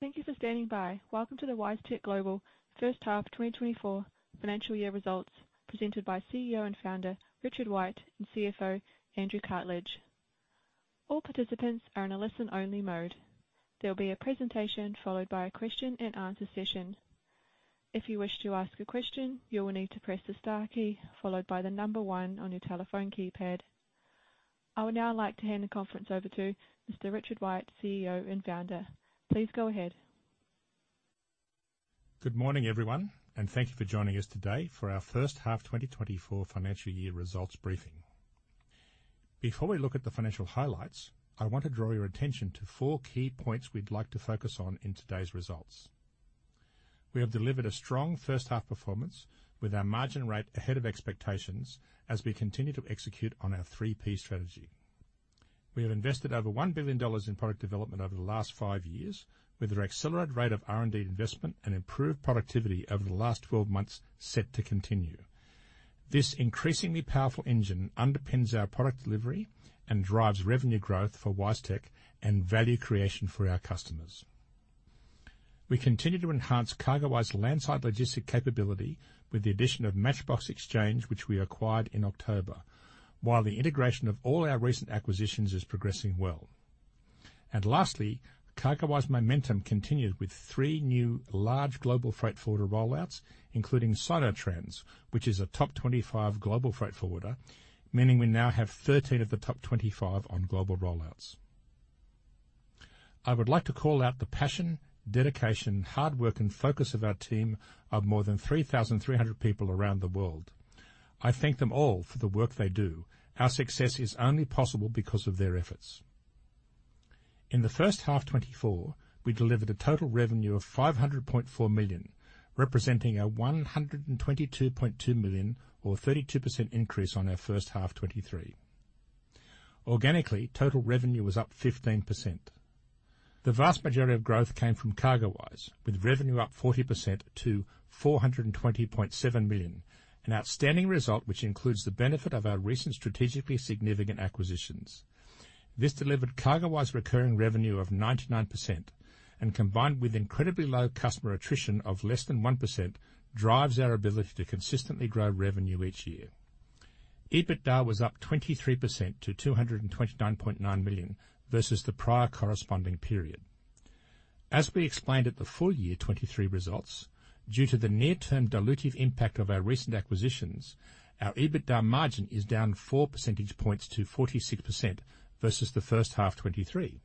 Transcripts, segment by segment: Thank you for standing by. Welcome to the WiseTech Global First Half 2024 Financial Year Results, presented by CEO and founder, Richard White, and CFO, Andrew Cartledge. All participants are in a listen-only mode. There will be a presentation followed by a question-and-answer session. If you wish to ask a question, you will need to press the star key, followed by the number one on your telephone keypad. I would now like to hand the conference over to Mr. Richard White, CEO and founder. Please go ahead. Good morning, everyone, and thank you for joining us today for our First Half 2024 Financial Year Results Briefing. Before we look at the financial highlights, I want to draw your attention to four key points we'd like to focus on in today's results. We have delivered a strong first half performance with our margin rate ahead of expectations as we continue to execute on our 3P Strategy. We have invested over 1 billion dollars in product development over the last five years, with our accelerated rate of R&D investment and improved productivity over the last 12 months set to continue. This increasingly powerful engine underpins our product delivery and drives revenue growth for WiseTech and value creation for our customers. We continue to enhance CargoWise landside logistics capability with the addition of MatchBox Exchange, which we acquired in October, while the integration of all our recent acquisitions is progressing well. Lastly, CargoWise momentum continued with three new large global freight forwarder rollouts, including Sinotrans, which is a top 25 global freight forwarder, meaning we now have 13 of the top 25 on global rollouts. I would like to call out the passion, dedication, hard work, and focus of our team of more than 3,300 people around the world. I thank them all for the work they do. Our success is only possible because of their efforts. In the first half 2024, we delivered a total revenue of 500.4 million, representing a 122.2 million or 32% increase on our first half 2023. Organically, total revenue was up 15%. The vast majority of growth came from CargoWise, with revenue up 40% to 420.7 million, an outstanding result, which includes the benefit of our recent strategically significant acquisitions. This delivered CargoWise recurring revenue of 99% and, combined with incredibly low customer attrition of less than 1%, drives our ability to consistently grow revenue each year. EBITDA was up 23% to 229.9 million versus the prior corresponding period. As we explained at the full year 2023 results, due to the near-term dilutive impact of our recent acquisitions, our EBITDA margin is down four percentage points to 46% versus the first half 2023.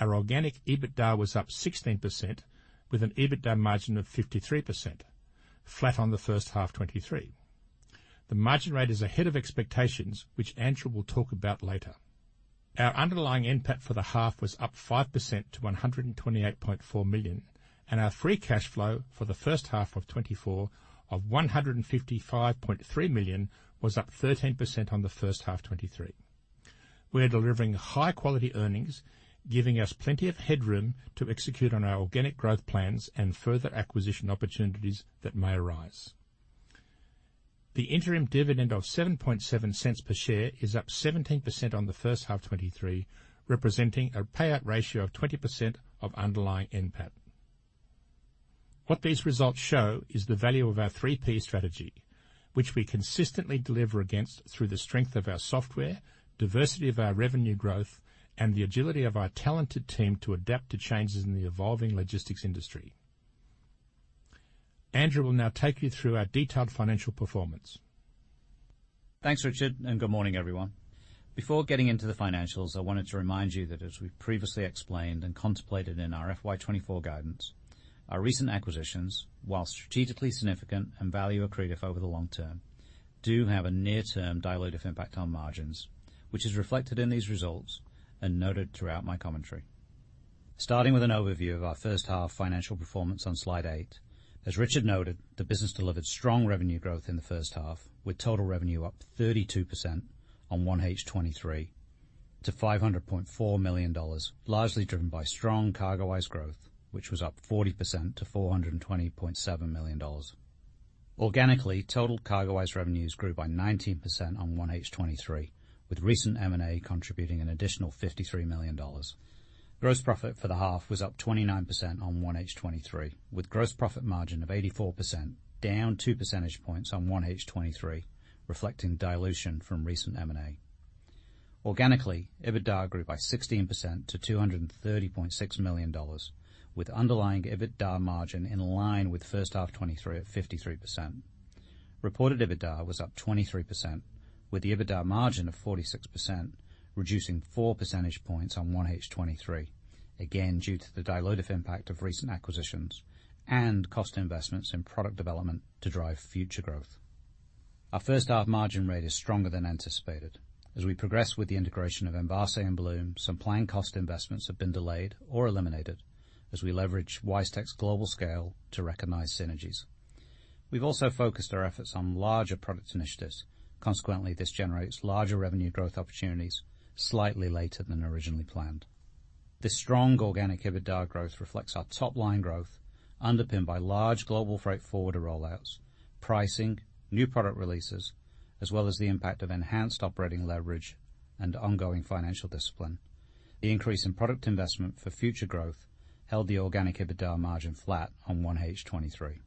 Our organic EBITDA was up 16% with an EBITDA margin of 53%, flat on the first half 2023. The margin rate is ahead of expectations, which Andrew will talk about later. Our underlying NPAT for the half was up 5% to 128.4 million, and our free cash flow for the first half of 2024 of 155.3 million was up 13% on the first half of 2023. We are delivering high-quality earnings, giving us plenty of headroom to execute on our organic growth plans and further acquisition opportunities that may arise. The interim dividend of 0.077 per share is up 17% on the first half of 2023, representing a payout ratio of 20% of underlying NPAT. What these results show is the value of our 3P Strategy, which we consistently deliver against through the strength of our software, diversity of our revenue growth, and the agility of our talented team to adapt to changes in the evolving logistics industry. Andrew will now take you through our detailed financial performance. Thanks, Richard, and good morning, everyone. Before getting into the financials, I wanted to remind you that as we previously explained and contemplated in our FY 2024 guidance, our recent acquisitions, while strategically significant and value accretive over the long term, do have a near-term dilutive impact on margins, which is reflected in these results and noted throughout my commentary. Starting with an overview of our first half financial performance on slide eight, as Richard noted, the business delivered strong revenue growth in the first half, with total revenue up 32% on 1H 2023 to 500.4 million dollars, largely driven by strong CargoWise growth, which was up 40% to 420.7 million dollars. Organically, total CargoWise revenues grew by 19% on 1H 2023, with recent M&A contributing an additional 53 million dollars. Gross profit for the half was up 29% on 1H 2023, with gross profit margin of 84%, down 2% on 1H 2023, reflecting dilution from recent M&A. Organically, EBITDA grew by 16% to $230.6 million, with underlying EBITDA margin in line with first half 2023 at 53%. Reported EBITDA was up 23%, with the EBITDA margin of 46%, reducing 4% on 1H 2023, again, due to the dilutive impact of recent acquisitions and cost investments in product development to drive future growth. Our first half margin rate is stronger than anticipated. As we progress with the integration of Envase and Blume, some planned cost investments have been delayed or eliminated as we leverage WiseTech's global scale to recognize synergies. We've also focused our efforts on larger product initiatives. Consequently, this generates larger revenue growth opportunities slightly later than originally planned. This strong organic EBITDA growth reflects our top-line growth, underpinned by large global freight forwarder rollouts, pricing, new product releases, as well as the impact of enhanced operating leverage, and ongoing financial discipline. The increase in product investment for future growth held the organic EBITDA margin flat on 1H 2023.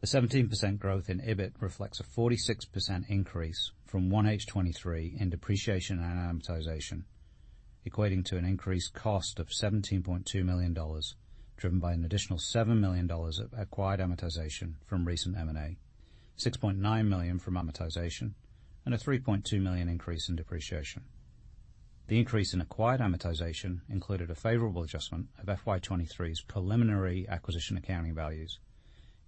The 17% growth in EBIT reflects a 46% increase from 1H 2023 in depreciation and amortization, equating to an increased cost of 17.2 million dollars, driven by an additional 7 million dollars of acquired amortization from recent M&A, 6.9 million from amortization, and a 3.2 million increase in depreciation. The increase in acquired amortization included a favorable adjustment of FY 2023's preliminary acquisition accounting values.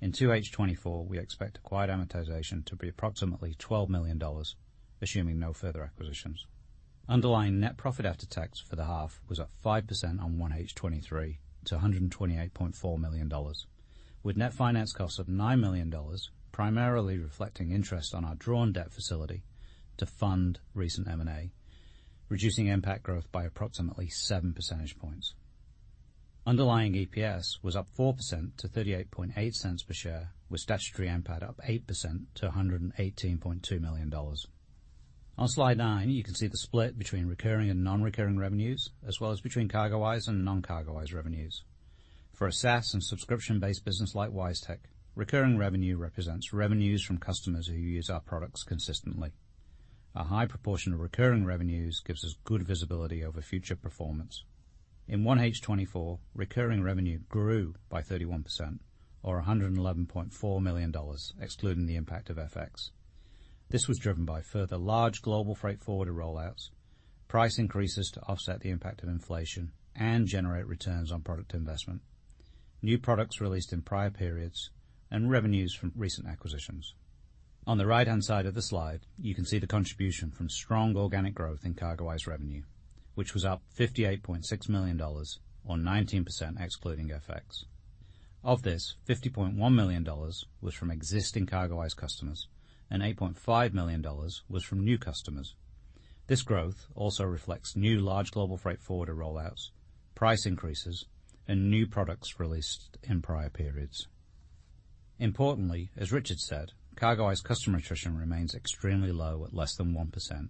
In 2H 2024, we expect acquired amortization to be approximately 12 million dollars, assuming no further acquisitions. Underlying net profit after tax for the half was up 5% on 1H 2023 to AUD 128.4 million, with net finance costs of AUD 9 million, primarily reflecting interest on our drawn debt facility to fund recent M&A, reducing impact growth by approximately 7%. Underlying EPS was up 4% to 0.388 per share, with statutory NPAT up 8% to 118.2 million dollars. On slide 9, you can see the split between recurring and non-recurring revenues, as well as between CargoWise and non-CargoWise revenues. For a SaaS and subscription-based business like WiseTech, recurring revenue represents revenues from customers who use our products consistently.A high proportion of recurring revenues gives us good visibility over future performance. In 1H 2024, recurring revenue grew by 31% or 111.4 million dollars, excluding the impact of FX. This was driven by further large global freight forwarder rollouts, price increases to offset the impact of inflation and generate returns on product investment, new products released in prior periods, and revenues from recent acquisitions. On the right-hand side of the slide, you can see the contribution from strong organic growth in CargoWise revenue, which was up 58.6 million dollars or 19% excluding FX. Of this, 50.1 million dollars was from existing CargoWise customers and 8.5 million dollars was from new customers. This growth also reflects new large global freight forwarder rollouts, price increases, and new products released in prior periods. Importantly, as Richard said, CargoWise customer attrition remains extremely low at less than 1%,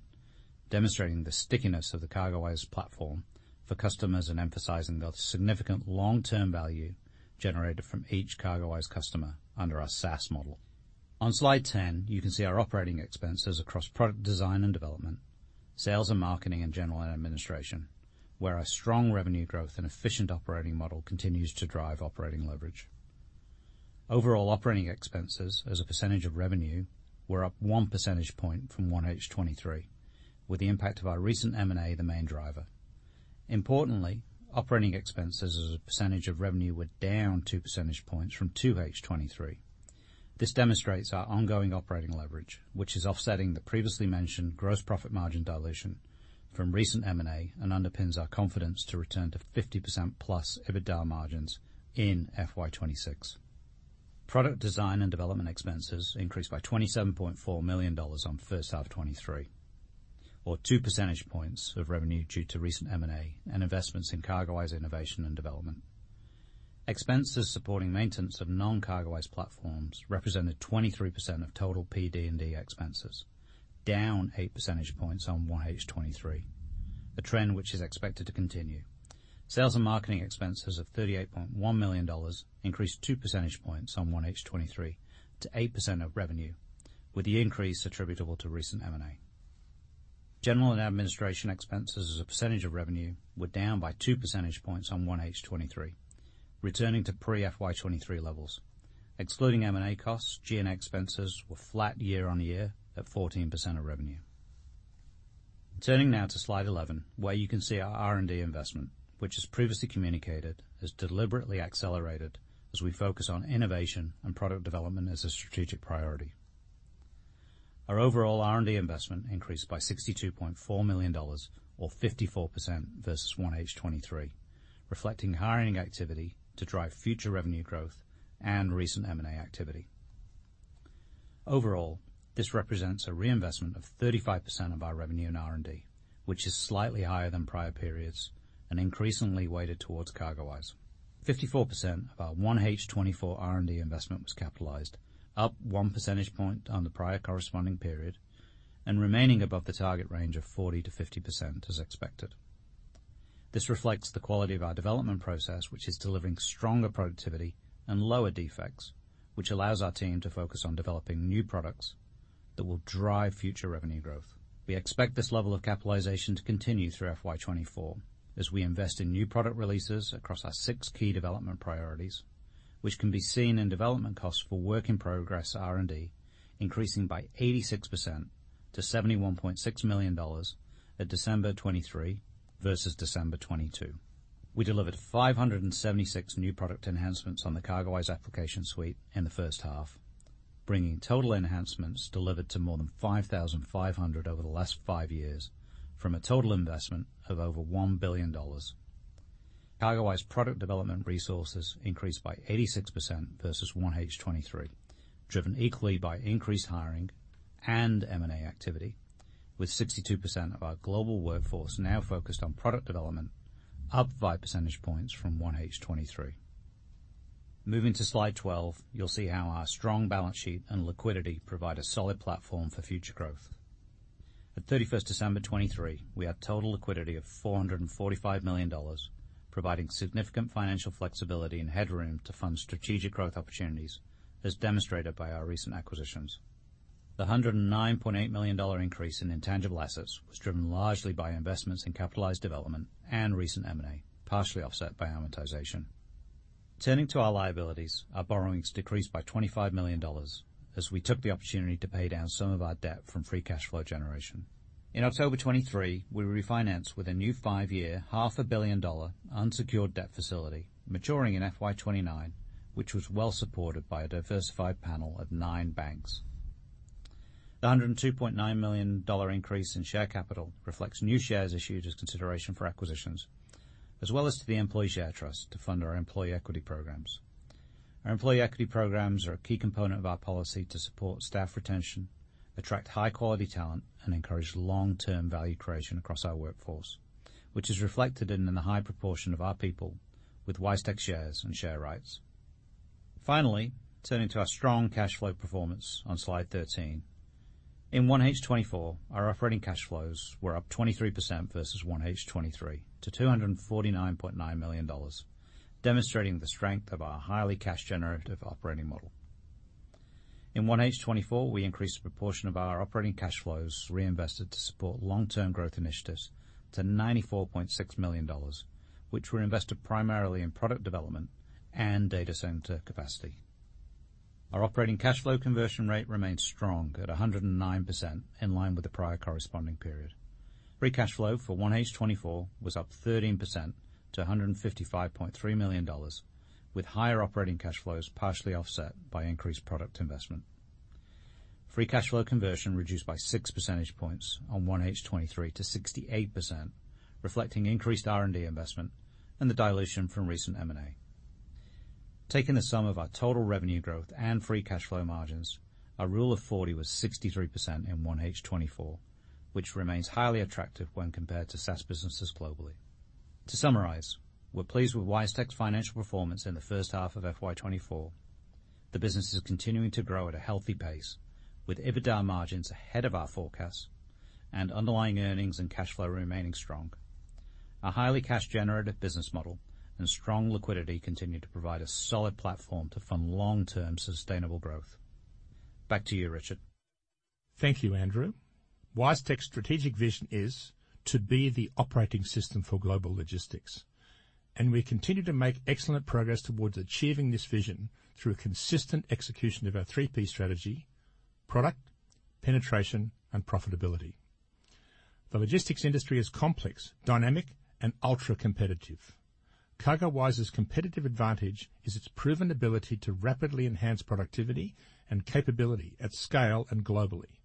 demonstrating the stickiness of the CargoWise platform for customers and emphasizing the significant long-term value generated from each CargoWise customer under our SaaS model. On slide 10, you can see our operating expenses across product design and development, sales and marketing, and general administration, where our strong revenue growth and efficient operating model continues to drive operating leverage. Overall, operating expenses as a percentage of revenue were up 1% from 1H 2023, with the impact of our recent M&A the main driver. Importantly, operating expenses as a percentage of revenue were down 2% from 2H 2023. This demonstrates our ongoing operating leverage, which is offsetting the previously mentioned gross profit margin dilution from recent M&A and underpins our confidence to return to 50%+ EBITDA margins in FY 2026. Product design and development expenses increased by 27.4 million dollars on first half of 2023, 2% of revenue due to recent M&A and investments in CargoWise innovation and development. Expenses supporting maintenance of non-CargoWise platforms represented 23% of total PD&D expenses, down 8% on 1H 2023, a trend which is expected to continue. Sales and marketing expenses of 38.1 million dollars increased 2% on 1H 2023 to 8% of revenue, with the increase attributable to recent M&A. General and administration expenses as a percentage of revenue were down by 2% on 1H 2023, returning to pre-FY 2023 levels. Excluding M&A costs, G&A expenses were flat year-on-year at 14% of revenue. Turning now to slide 11, where you can see our R&D investment, which is previously communicated, has deliberately accelerated as we focus on innovation and product development as a strategic priority. Our overall R&D investment increased by 62.4 million dollars or 54% versus 1H 2023, reflecting hiring activity to drive future revenue growth and recent M&A activity. Overall, this represents a reinvestment of 35% of our revenue in R&D, which is slightly higher than prior periods and increasingly weighted towards CargoWise. 54% of our 1H 2024 R&D investment was capitalized, up 1 percentage point on the prior corresponding period and remaining above the target range of 40%-50% as expected. This reflects the quality of our development process, which is delivering stronger productivity and lower defects, which allows our team to focus on developing new products that will drive future revenue growth. We expect this level of capitalization to continue through FY 2024 as we invest in new product releases across our six key development priorities, which can be seen in development costs for work in progress R&D, increasing by 86% to AUD 71.6 million at December 2023 versus December 2022. We delivered 576 new product enhancements on the CargoWise application suite in the first half, bringing total enhancements delivered to more than 5,500 over the last five years from a total investment of over 1 billion dollars. CargoWise product development resources increased by 86% versus 1H 2023, driven equally by increased hiring and M&A activity, with 62% of our global workforce now focused on product development, up 5% from 1H 2023. Moving to slide 12, you'll see how our strong balance sheet and liquidity provide a solid platform for future growth. At 31 December 2023, we had total liquidity of AUD 445 million, providing significant financial flexibility and headroom to fund strategic growth opportunities, as demonstrated by our recent acquisitions. The 109.8 million dollar increase in intangible assets was driven largely by investments in capitalized development and recent M&A, partially offset by amortization. Turning to our liabilities, our borrowings decreased by AUD 25 million as we took the opportunity to pay down some of our debt from free cash flow generation.In October 2023, we were refinanced with a new five-year, AUD 500 million unsecured debt facility maturing in FY 2029, which was well supported by a diversified panel of nine banks. The 102.9 million dollar increase in share capital reflects new shares issued as consideration for acquisitions, as well as to the employee share trust to fund our employee equity programs. Our employee equity programs are a key component of our policy to support staff retention, attract high quality talent, and encourage long-term value creation across our workforce, which is reflected in the high proportion of our people with WiseTech shares and share rights. Finally, turning to our strong cash flow performance on slide 13. In 1H 2024, our operating cash flows were up 23% versus 1H 2023 to AUD 249.9 million, demonstrating the strength of our highly cash generative operating model. In 1H 2024, we increased the proportion of our operating cash flows reinvested to support long-term growth initiatives to 94.6 million dollars, which were invested primarily in product development and data center capacity. Our operating cash flow conversion rate remains strong at 109%, in line with the prior corresponding period. Free cash flow for 1H 2024 was up 13% to 155.3 million dollars, with higher operating cash flows partially offset by increased product investment. Free cash flow conversion reduced by 6% on 1H 2023 to 68%, reflecting increased R&D investment and the dilution from recent M&A.Taking the sum of our total revenue growth and free cash flow margins, our Rule of 40 was 63% in 1H 2024, which remains highly attractive when compared to SaaS businesses globally. To summarize, we're pleased with WiseTech's financial performance in the first half of FY 2024. The business is continuing to grow at a healthy pace, with EBITDA margins ahead of our forecast and underlying earnings and cash flow remaining strong. Our highly cash generative business model and strong liquidity continue to provide a solid platform to fund long-term sustainable growth. Back to you, Richard. Thank you, Andrew. WiseTech's strategic vision is to be the operating system for global logistics, and we continue to make excellent progress towards achieving this vision through a consistent execution of our 3P Strategy: product, penetration, and profitability. The logistics industry is complex, dynamic, and ultra-competitive. CargoWise's competitive advantage is its proven ability to rapidly enhance productivity and capability at scale and globally,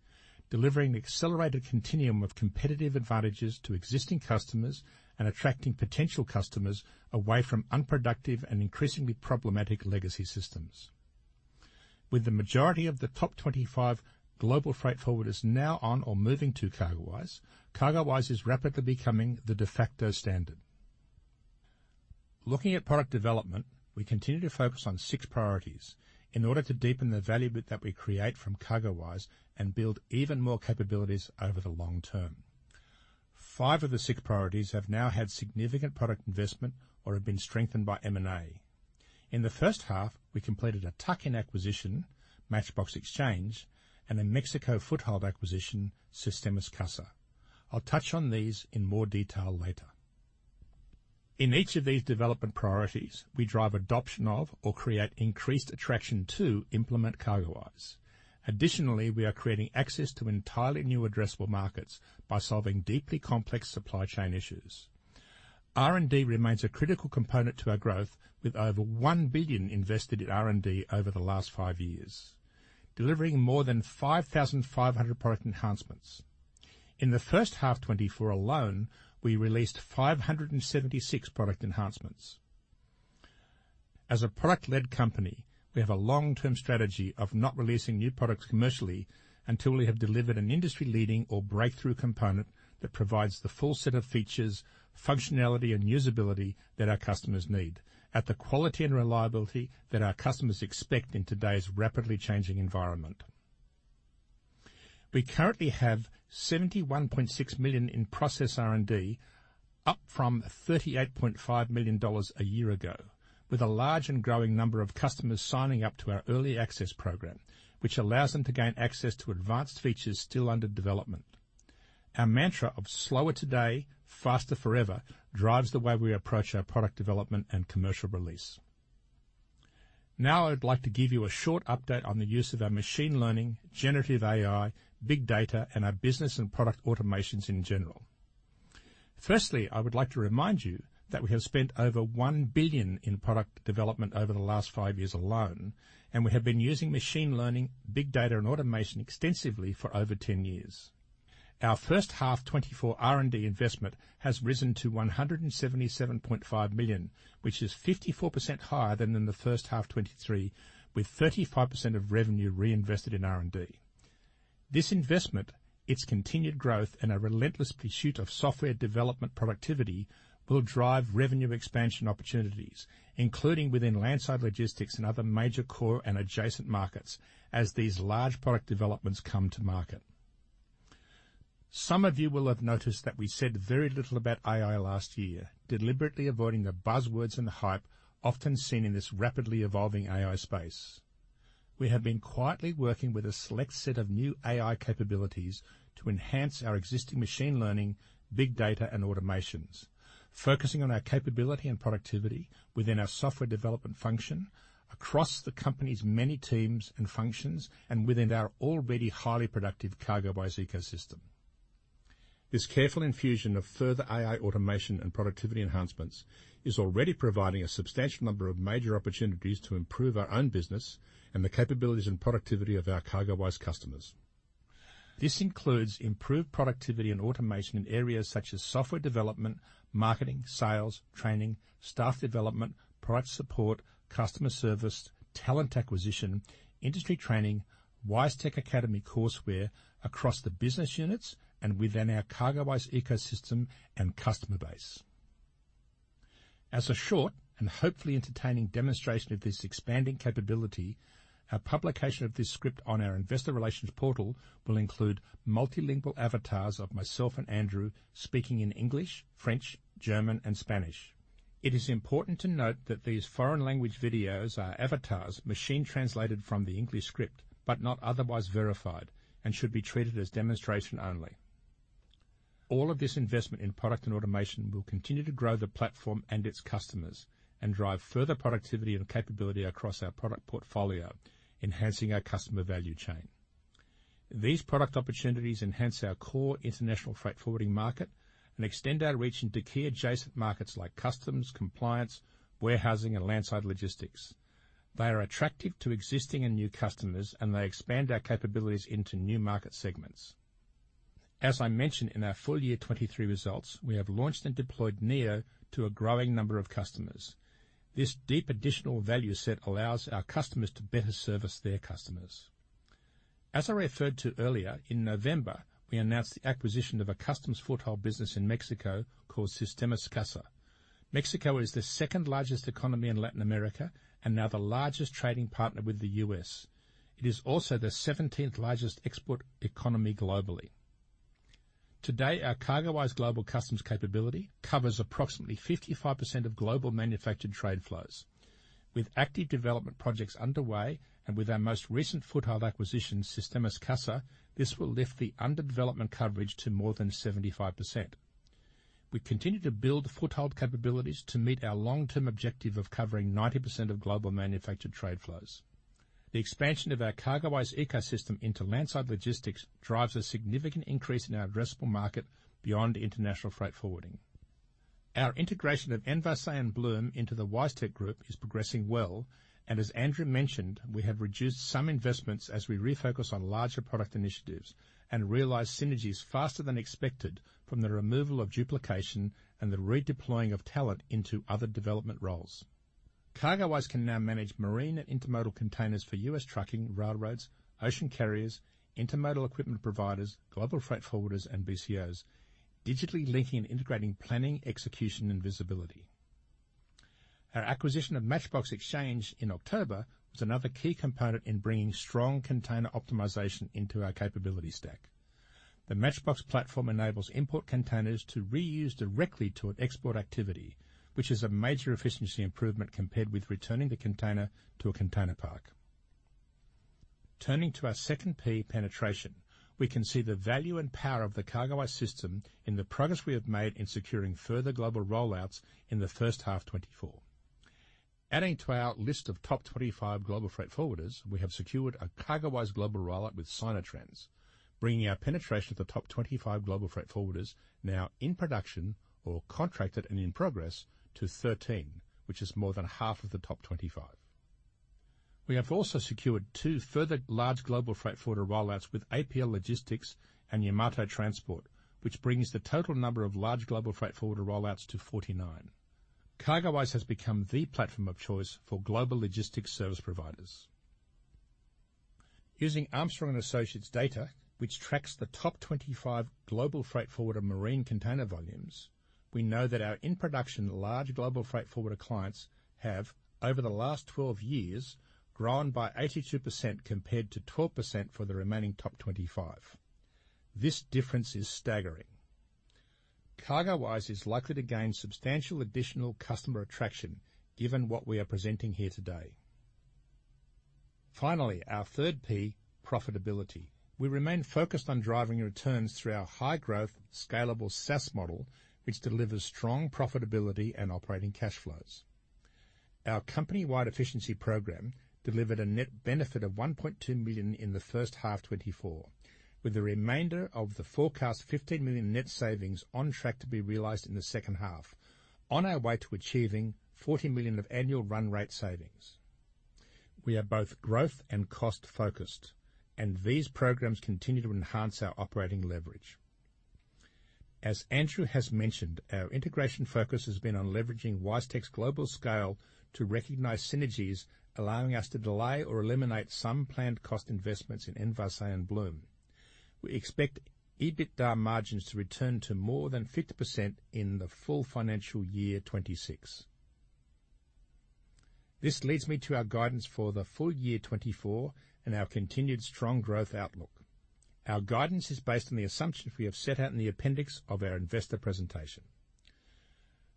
delivering an accelerated continuum of competitive advantages to existing customers and attracting potential customers away from unproductive and increasingly problematic legacy systems. With the majority of the top 25 global freight forwarders now on or moving to CargoWise, CargoWise is rapidly becoming the de facto standard. Looking at product development, we continue to focus on six priorities in order to deepen the value that we create from CargoWise and build even more capabilities over the long term. Five of the six priorities have now had significant product investment or have been strengthened by M&A. In the first half, we completed a tuck-in acquisition, MatchBox Exchange, and a Mexico foothold acquisition, Sistemas CASA. I'll touch on these in more detail later. In each of these development priorities, we drive adoption of or create increased attraction to implement CargoWise. Additionally, we are creating access to entirely new addressable markets by solving deeply complex supply chain issues. R&D remains a critical component to our growth, with over 1 billion invested in R&D over the last five years, delivering more than 5,500 product enhancements. In the first half 2024 alone, we released 576 product enhancements. As a product-led company, we have a long-term strategy of not releasing new products commercially until we have delivered an industry-leading or breakthrough component that provides the full set of features, functionality, and usability that our customers need at the quality and reliability that our customers expect in today's rapidly changing environment. We currently have 71.6 million in process R&D, up from 38.5 million dollars a year ago, with a large and growing number of customers signing up to our early access program, which allows them to gain access to advanced features still under development. Our mantra of slower today, faster forever, drives the way we approach our product development and commercial release. Now, I'd like to give you a short update on the use of our machine learning, generative AI, big data, and our business and product automations in general. Firstly, I would like to remind you that we have spent over 1 billion in product development over the last five years alone, and we have been using machine learning, big data, and automation extensively for over 10 years. Our first half 2024 R&D investment has risen to 177.5 million, which is 54% higher than in the first half 2023, with 35% of revenue reinvested in R&D. This investment, its continued growth, and a relentless pursuit of software development productivity will drive revenue expansion opportunities, including within landside logistics and other major core and adjacent markets as these large product developments come to market. Some of you will have noticed that we said very little about AI last year, deliberately avoiding the buzzwords and the hype often seen in this rapidly evolving AI space. We have been quietly working with a select set of new AI capabilities to enhance our existing machine learning, big data, and automations, focusing on our capability and productivity within our software development function, across the company's many teams and functions, and within our already highly productive CargoWise ecosystem. This careful infusion of further AI automation and productivity enhancements is already providing a substantial number of major opportunities to improve our own business and the capabilities and productivity of our CargoWise customers. This includes improved productivity and automation in areas such as software development, marketing, sales, training, staff development, product support, customer service, talent acquisition, industry training, WiseTech Academy courseware across the business units and within our CargoWise ecosystem and customer base. As a short and hopefully entertaining demonstration of this expanding capability, our publication of this script on our investor relations portal will include multilingual avatars of myself and Andrew speaking in English, French, German, and Spanish. It is important to note that these foreign language videos are avatars machine-translated from the English script but not otherwise verified and should be treated as demonstration only. All of this investment in product and automation will continue to grow the platform and its customers and drive further productivity and capability across our product portfolio, enhancing our customer value chain. These product opportunities enhance our core international freight forwarding market and extend our reach into key adjacent markets like customs, compliance, warehousing, and landside logistics. They are attractive to existing and new customers, and they expand our capabilities into new market segments. As I mentioned in our full year 2023 results, we have launched and deployed Neo to a growing number of customers. This deep additional value set allows our customers to better service their customers. As I referred to earlier, in November, we announced the acquisition of a customs foothold business in Mexico called Sistemas CASA. Mexico is the second-largest economy in Latin America and now the largest trading partner with the U.S. It is also the 17th largest export economy globally. Today, our CargoWise Global Customs capability covers approximately 55% of global manufactured trade flows. With active development projects underway and with our most recent foothold acquisition, Sistemas CASA, this will lift the underdevelopment coverage to more than 75%. We continue to build foothold capabilities to meet our long-term objective of covering 90% of global manufactured trade flows. The expansion of our CargoWise ecosystem into landside logistics drives a significant increase in our addressable market beyond international freight forwarding. Our integration of Envase and Blume into the WiseTech Group is progressing well, and as Andrew mentioned, we have reduced some investments as we refocus on larger product initiatives and realize synergies faster than expected from the removal of duplication and the redeploying of talent into other development roles. CargoWise can now manage marine and intermodal containers for US trucking, railroads, ocean carriers, intermodal equipment providers, global freight forwarders, and BCOs, digitally linking and integrating planning, execution, and visibility. Our acquisition of MatchBox Exchange in October was another key component in bringing strong container optimization into our capability stack. The MatchBox platform enables import containers to reuse directly to an export activity, which is a major efficiency improvement compared with returning the container to a container park. Turning to our second P, penetration, we can see the value and power of the CargoWise system in the progress we have made in securing further global rollouts in the first half 2024. Adding to our list of top 25 global freight forwarders, we have secured a CargoWise global rollout with Sinotrans, bringing our penetration of the top 25 global freight forwarders now in production or contracted and in progress to 13, which is more than half of the top 25. We have also secured two further large global freight forwarder rollouts with APL Logistics and Yamato Transport, which brings the total number of large global freight forwarder rollouts to 49. CargoWise has become the platform of choice for global logistics service providers. Using Armstrong & Associates data, which tracks the top 25 global freight forwarder marine container volumes, we know that our in-production large global freight forwarder clients have, over the last 12 years, grown by 82%, compared to 12% for the remaining top 25. This difference is staggering. CargoWise is likely to gain substantial additional customer attraction given what we are presenting here today. Finally, our third P, profitability. We remain focused on driving returns through our high-growth, scalable SaaS model, which delivers strong profitability and operating cash flows. Our company-wide efficiency program delivered a net benefit of 1.2 million in the first half 2024, with the remainder of the forecast 15 million net savings on track to be realized in the second half, on our way to achieving 40 million of annual run rate savings. We are both growth and cost-focused, and these programs continue to enhance our operating leverage. As Andrew has mentioned, our integration focus has been on leveraging WiseTech's global scale to recognize synergies, allowing us to delay or eliminate some planned cost investments in Envase and Blume. We expect EBITDA margins to return to more than 50% in the full financial year 2026. This leads me to our guidance for the full year 2024 and our continued strong growth outlook. Our guidance is based on the assumptions we have set out in the appendix of our investor presentation.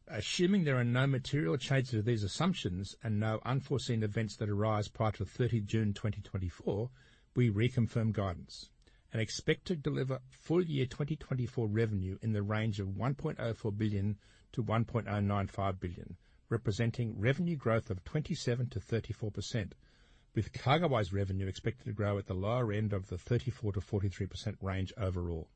Assuming there are no material changes to these assumptions and no unforeseen events that arise prior to 30 June 2024, we reconfirm guidance and expect to deliver full year 2024 revenue in the range of 1.04 billion-1.095 billion, representing revenue growth of 27%-34%, with CargoWise revenue expected to grow at the lower end of the 34%-43% range overall.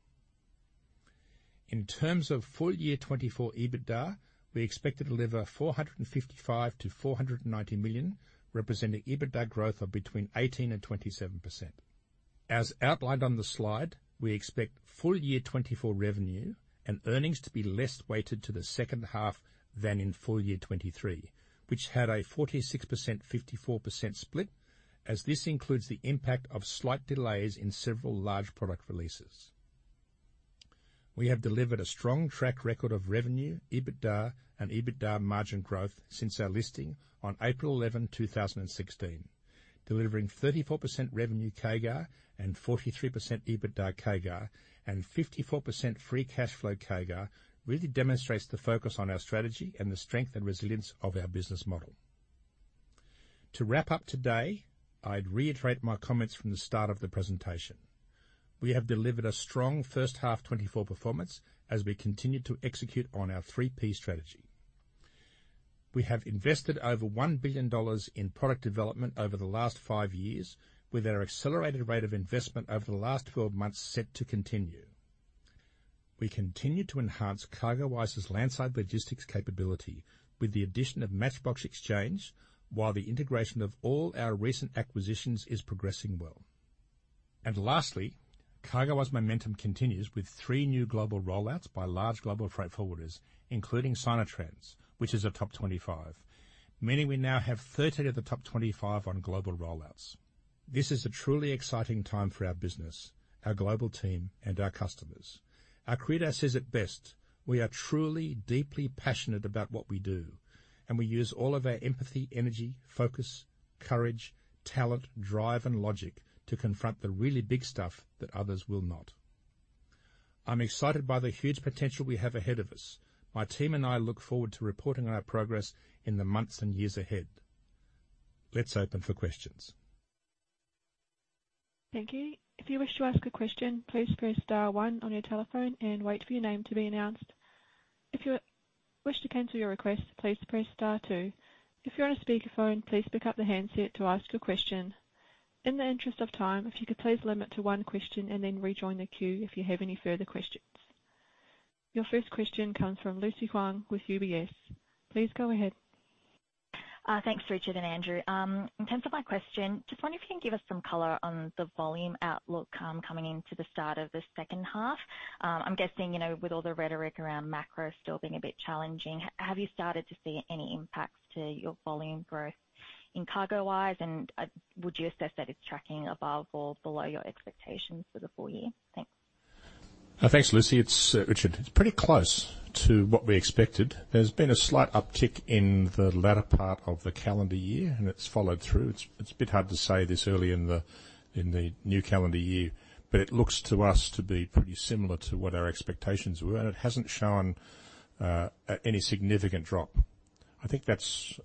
In terms of full year 2024 EBITDA, we expect to deliver 455-490 million, representing EBITDA growth of between 18% and 27%. As outlined on the slide, we expect full year 2024 revenue and earnings to be less weighted to the second half than in full year 2023, which had a 46%, 54% split, as this includes the impact of slight delays in several large product releases. We have delivered a strong track record of revenue, EBITDA and EBITDA margin growth since our listing on April 11, 2016. Delivering 34% revenue CAGR and 43% EBITDA CAGR and 54% free cash flow CAGR really demonstrates the focus on our strategy and the strength and resilience of our business model. To wrap up today, I'd reiterate my comments from the start of the presentation. We have delivered a strong first half 2024 performance as we continued to execute on our 3P Strategy.We have invested over 1 billion dollars in product development over the last five years, with our accelerated rate of investment over the last 12 months set to continue. We continue to enhance CargoWise's landside logistics capability with the addition of MatchBox Exchange, while the integration of all our recent acquisitions is progressing well. Lastly, CargoWise momentum continues with three new global rollouts by large global freight forwarders, including Sinotrans, which is a top 25, meaning we now have 13 of the top 25 on global rollouts. This is a truly exciting time for our business, our global team, and our customers. Our credo says it best: we are truly, deeply passionate about what we do, and we use all of our empathy, energy, focus, courage, talent, drive, and logic to confront the really big stuff that others will not. I'm excited by the huge potential we have ahead of us. My team and I look forward to reporting on our progress in the months and years ahead. Let's open for questions. Thank you. If you wish to ask a question, please press star one on your telephone and wait for your name to be announced. If you wish to cancel your request, please press star two. If you're on a speakerphone, please pick up the handset to ask your question. In the interest of time, if you could please limit to one question and then rejoin the queue if you have any further questions. Your first question comes from Lucy Huang with UBS. Please go ahead. Thanks, Richard and Andrew. In terms of my question, just wonder if you can give us some color on the volume outlook, coming into the start of the second half. I'm guessing, you know, with all the rhetoric around macro still being a bit challenging, have you started to see any impacts to your volume growth in CargoWise? And would you assess that it's tracking above or below your expectations for the full year? Thanks. Thanks, Lucy. It's Richard. It's pretty close to what we expected. There's been a slight uptick in the latter part of the calendar year, and it's followed through. It's a bit hard to say this early in the new calendar year, but it looks to us to be pretty similar to what our expectations were, and it hasn't shown any significant drop. I think that's...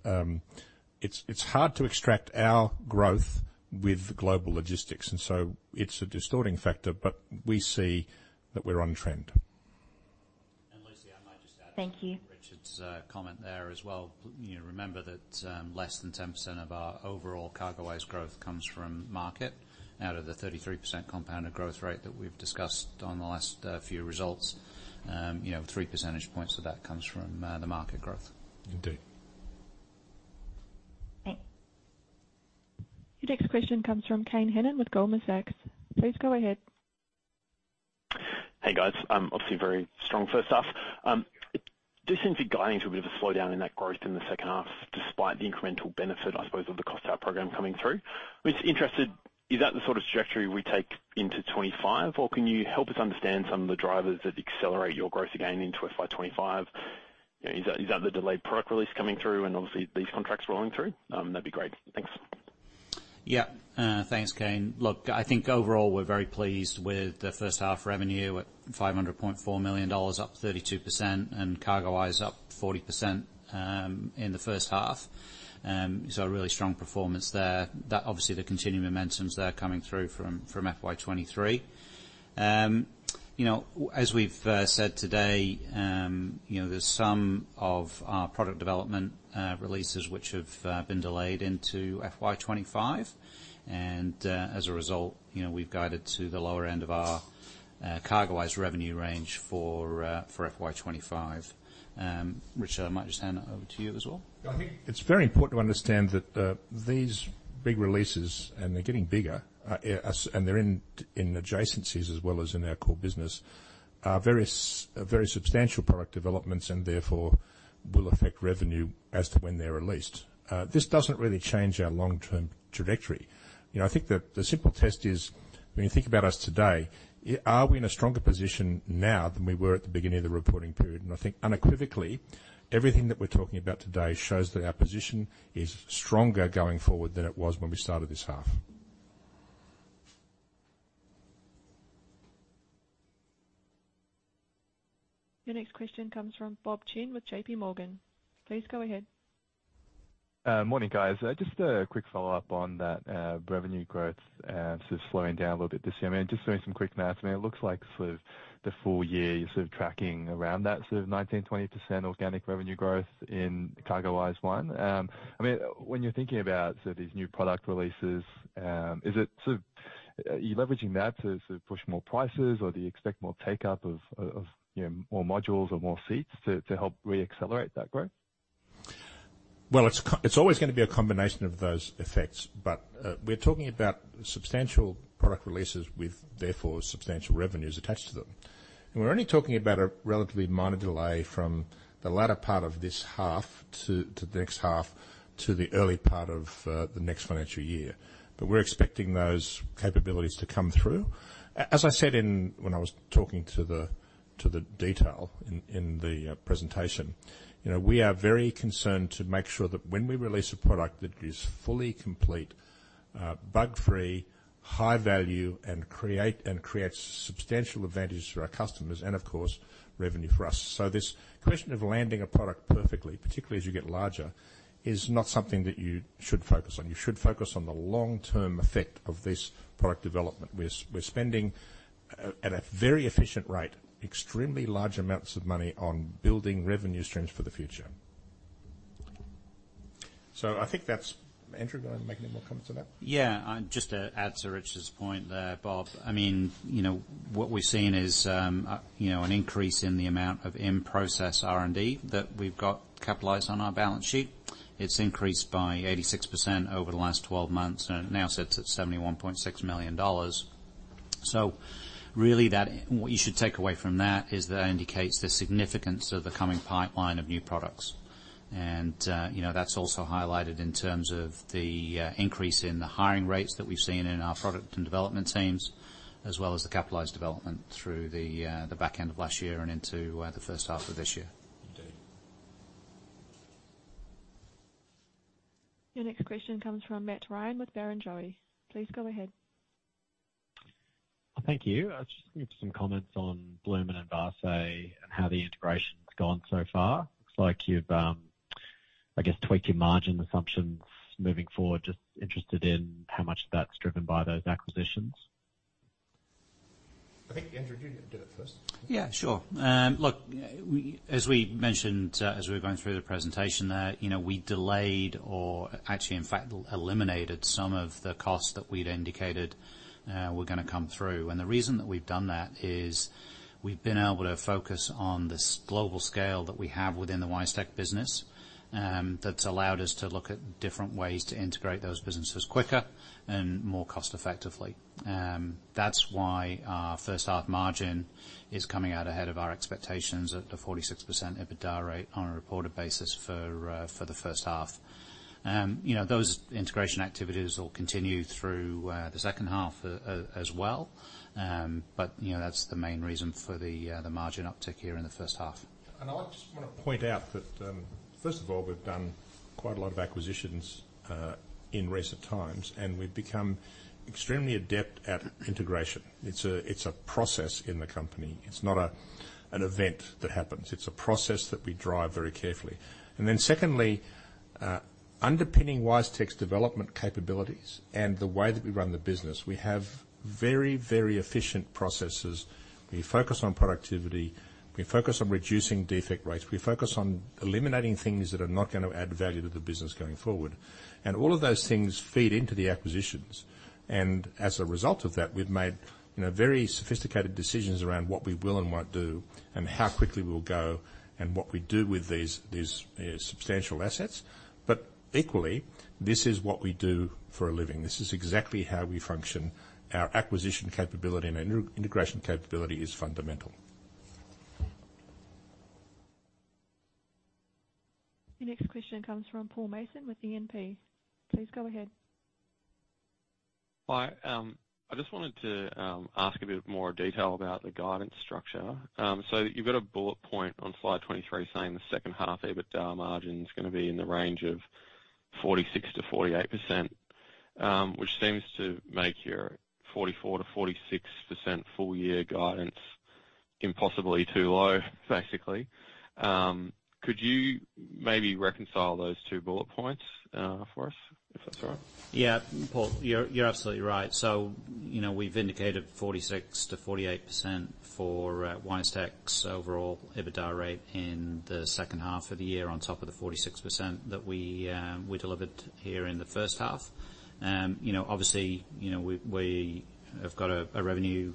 It's hard to extract our growth with global logistics, and so it's a distorting factor, but we see that we're on trend. And Lucy, I might just add- Thank you. Richard's comment there as well. You know, remember that less than 10% of our overall CargoWise growth comes from market. Out of the 33% compounded growth rate that we've discussed on the last few results, you know, three percentage points of that comes from the market growth. Indeed. Thanks. Your next question comes from Kane Hannan with Goldman Sachs. Please go ahead. Hey, guys. Obviously very strong first half. It does seem to be guiding to a bit of a slowdown in that growth in the second half, despite the incremental benefit, I suppose, of the cost out program coming through. Just interested, is that the sort of trajectory we take into 2025, or can you help us understand some of the drivers that accelerate your growth again into FY2025? You know, is that, is that the delayed product release coming through and obviously these contracts rolling through? That'd be great. Thanks. Yeah. Thanks, Kane. Look, I think overall, we're very pleased with the first half revenue at $500.4 million, up 32%, and CargoWise up 40% in the first half. So a really strong performance there. That obviously, the continuing momentum's there coming through from FY2023. You know, as we've said today, you know, there's some of our product development releases which have been delayed into FY2025. And, as a result, you know, we've guided to the lower end of our CargoWise revenue range for FY2025.Richard, I might just hand it over to you as well. I think it's very important to understand that these big releases, and they're getting bigger, as...and they're in, in adjacencies as well as in our core business, are various, very substantial product developments and therefore will affect revenue as to when they're released. This doesn't really change our long-term trajectory. You know, I think that the simple test is... When you think about us today, are we in a stronger position now than we were at the beginning of the reporting period? And I think unequivocally, everything that we're talking about today shows that our position is stronger going forward than it was when we started this half. Your next question comes from Bob Chen with JPMorgan. Please go ahead. Morning, guys. Just a quick follow-up on that, revenue growth, sort of slowing down a little bit this year. I mean, just doing some quick math. I mean, it looks like sort of the full year, you're sort of tracking around that sort of 19%-20% organic revenue growth in CargoWise One. I mean, when you're thinking about sort of these new product releases, is it sort of are you leveraging that to, to push more prices, or do you expect more take-up of, of, you know, more modules or more seats to, to help reaccelerate that growth? Well, it's always going to be a combination of those effects, but, we're talking about substantial product releases with, therefore, substantial revenues attached to them. And we're only talking about a relatively minor delay from the latter part of this half to the next half, to the early part of the next financial year. But we're expecting those capabilities to come through. As I said in... when I was talking to the detail in the presentation, you know, we are very concerned to make sure that when we release a product, it is fully complete, bug-free, high value, and creates substantial advantage for our customers and, of course, revenue for us. So this question of landing a product perfectly, particularly as you get larger, is not something that you should focus on. You should focus on the long-term effect of this product development. We're spending at a very efficient rate, extremely large amounts of money on building revenue streams for the future. So I think that's... Andrew, do you want to make any more comment to that? Yeah, just to add to Richard's point there, Bob, I mean, you know, what we've seen is, you know, an increase in the amount of in-process R&D that we've got capitalized on our balance sheet. It's increased by 86% over the last 12 months, and it now sits at 71.6 million dollars. So really, that, what you should take away from that is that indicates the significance of the coming pipeline of new products. And, you know, that's also highlighted in terms of the, increase in the hiring rates that we've seen in our product and development teams, as well as the capitalized development through the, the back end of last year and into, the first half of this year. Indeed. Your next question comes from Matt Ryan with Barrenjoey. Please go ahead. Thank you. I just need some comments on Blume and Envase and how the integration's gone so far. Looks like you've, I guess, tweaked your margin assumptions moving forward. Just interested in how much of that's driven by those acquisitions. I think, Andrew, you do it first. Yeah, sure. Look, we, as we mentioned, as we were going through the presentation there, you know, we delayed or actually, in fact, eliminated some of the costs that we'd indicated were gonna come through. And the reason that we've done that is we've been able to focus on this global scale that we have within the WiseTech business, that's allowed us to look at different ways to integrate those businesses quicker and more cost effectively. That's why our first half margin is coming out ahead of our expectations at a 46% EBITDA rate on a reported basis for the first half. You know, those integration activities will continue through the second half as well. But, you know, that's the main reason for the margin uptick here in the first half. And I just want to point out that, first of all, we've done quite a lot of acquisitions in recent times, and we've become extremely adept at integration. It's a process in the company. It's not an event that happens. It's a process that we drive very carefully. And then secondly, underpinning WiseTech's development capabilities and the way that we run the business, we have very, very efficient processes. We focus on productivity, we focus on reducing defect rates, we focus on eliminating things that are not going to add value to the business going forward. And all of those things feed into the acquisitions. And as a result of that, we've made, you know, very sophisticated decisions around what we will and won't do and how quickly we'll go and what we do with these, these substantial assets. Equally, this is what we do for a living. This is exactly how we function. Our acquisition capability and our integration capability is fundamental. The next question comes from Paul Mason with E&P. Please go ahead. Hi, I just wanted to ask a bit more detail about the guidance structure. So you've got a bullet point on slide 23 saying the second half EBITDA margin's gonna be in the range of 46%-48%, which seems to make your 44%-46% full year guidance impossibly too low, basically. Could you maybe reconcile those two bullet points, for us, if that's all right? Yeah. Paul, you're, you're absolutely right. So, you know, we've indicated 46%-48% for WiseTech's overall EBITDA rate in the second half of the year, on top of the 46% that we delivered here in the first half. You know, obviously, you know, we have got a revenue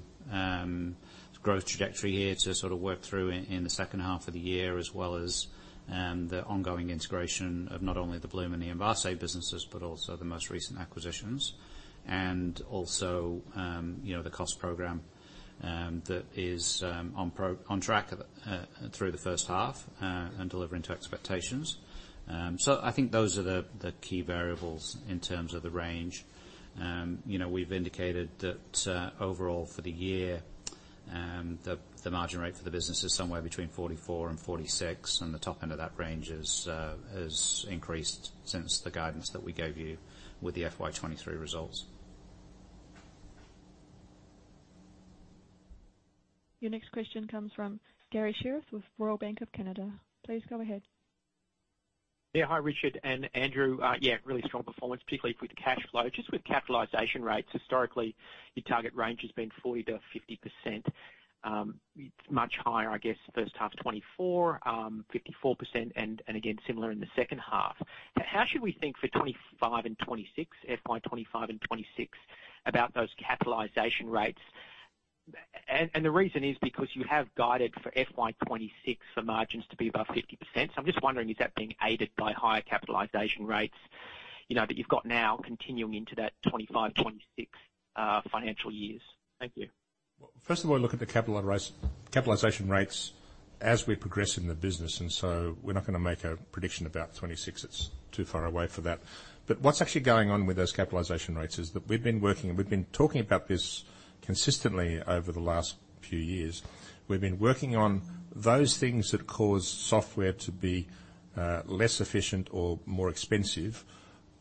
growth trajectory here to sort of work through in the second half of the year, as well as the ongoing integration of not only the Blume and the Envase businesses, but also the most recent acquisitions, and also, you know, the cost program that is on track through the first half and delivering to expectations. So I think those are the key variables in terms of the range. You know, we've indicated that, overall, for the year, the margin rate for the business is somewhere between 44% and 46%, and the top end of that range has increased since the guidance that we gave you with the FY2023 results. Your next question comes from Garry Sherriff with Royal Bank of Canada. Please go ahead. Yeah. Hi, Richard and Andrew. Yeah, really strong performance, particularly with cash flow. Just with capitalization rates, historically, your target range has been 40%-50%. It's much higher, I guess, first half 2024, 54%, and again, similar in the second half. How should we think for 2025 and 2026, FY2025 and 2026, about those capitalization rates? And the reason is because you have guided for FY2026 for margins to be above 50%. So I'm just wondering, is that being aided by higher capitalization rates, you know, that you've got now continuing into that 2025-2026 financial years? Thank you. Well, first of all, look at the capital rise, capitalization rates as we progress in the business, and so we're not gonna make a prediction about 2026. It's too far away for that. But what's actually going on with those capitalization rates is that we've been working, we've been talking about this consistently over the last few years. We've been working on those things that cause software to be less efficient or more expensive,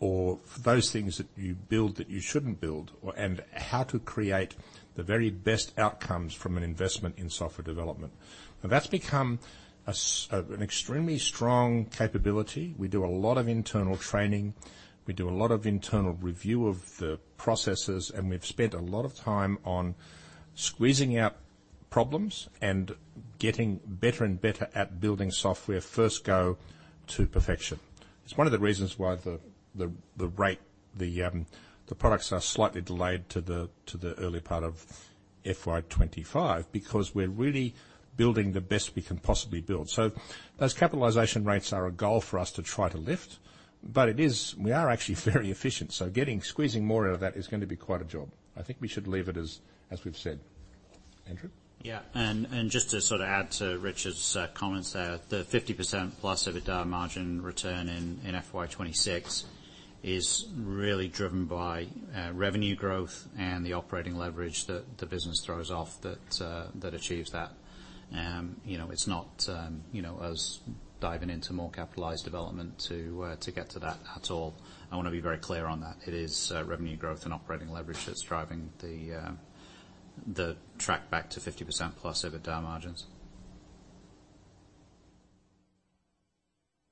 or those things that you build that you shouldn't build or, and how to create the very best outcomes from an investment in software development. Now, that's become an extremely strong capability. We do a lot of internal training, we do a lot of internal review of the processes, and we've spent a lot of time on squeezing out problems and getting better and better at building software first go to perfection. It's one of the reasons why the rate the products are slightly delayed to the early part of FY2025, because we're really building the best we can possibly build. So those capitalization rates are a goal for us to try to lift, but it is... We are actually very efficient, so getting, squeezing more out of that is gonna be quite a job. I think we should leave it as we've said. Andrew? Yeah, and just to sort of add to Richard's comments there, the 50%+ EBITDA margin return in FY2026 is really driven by revenue growth and the operating leverage that the business throws off that that achieves that. You know, it's not you know, us diving into more capitalized development to to get to that at all. I want to be very clear on that. It is revenue growth and operating leverage that's driving the the track back to 50%+ EBITDA margins.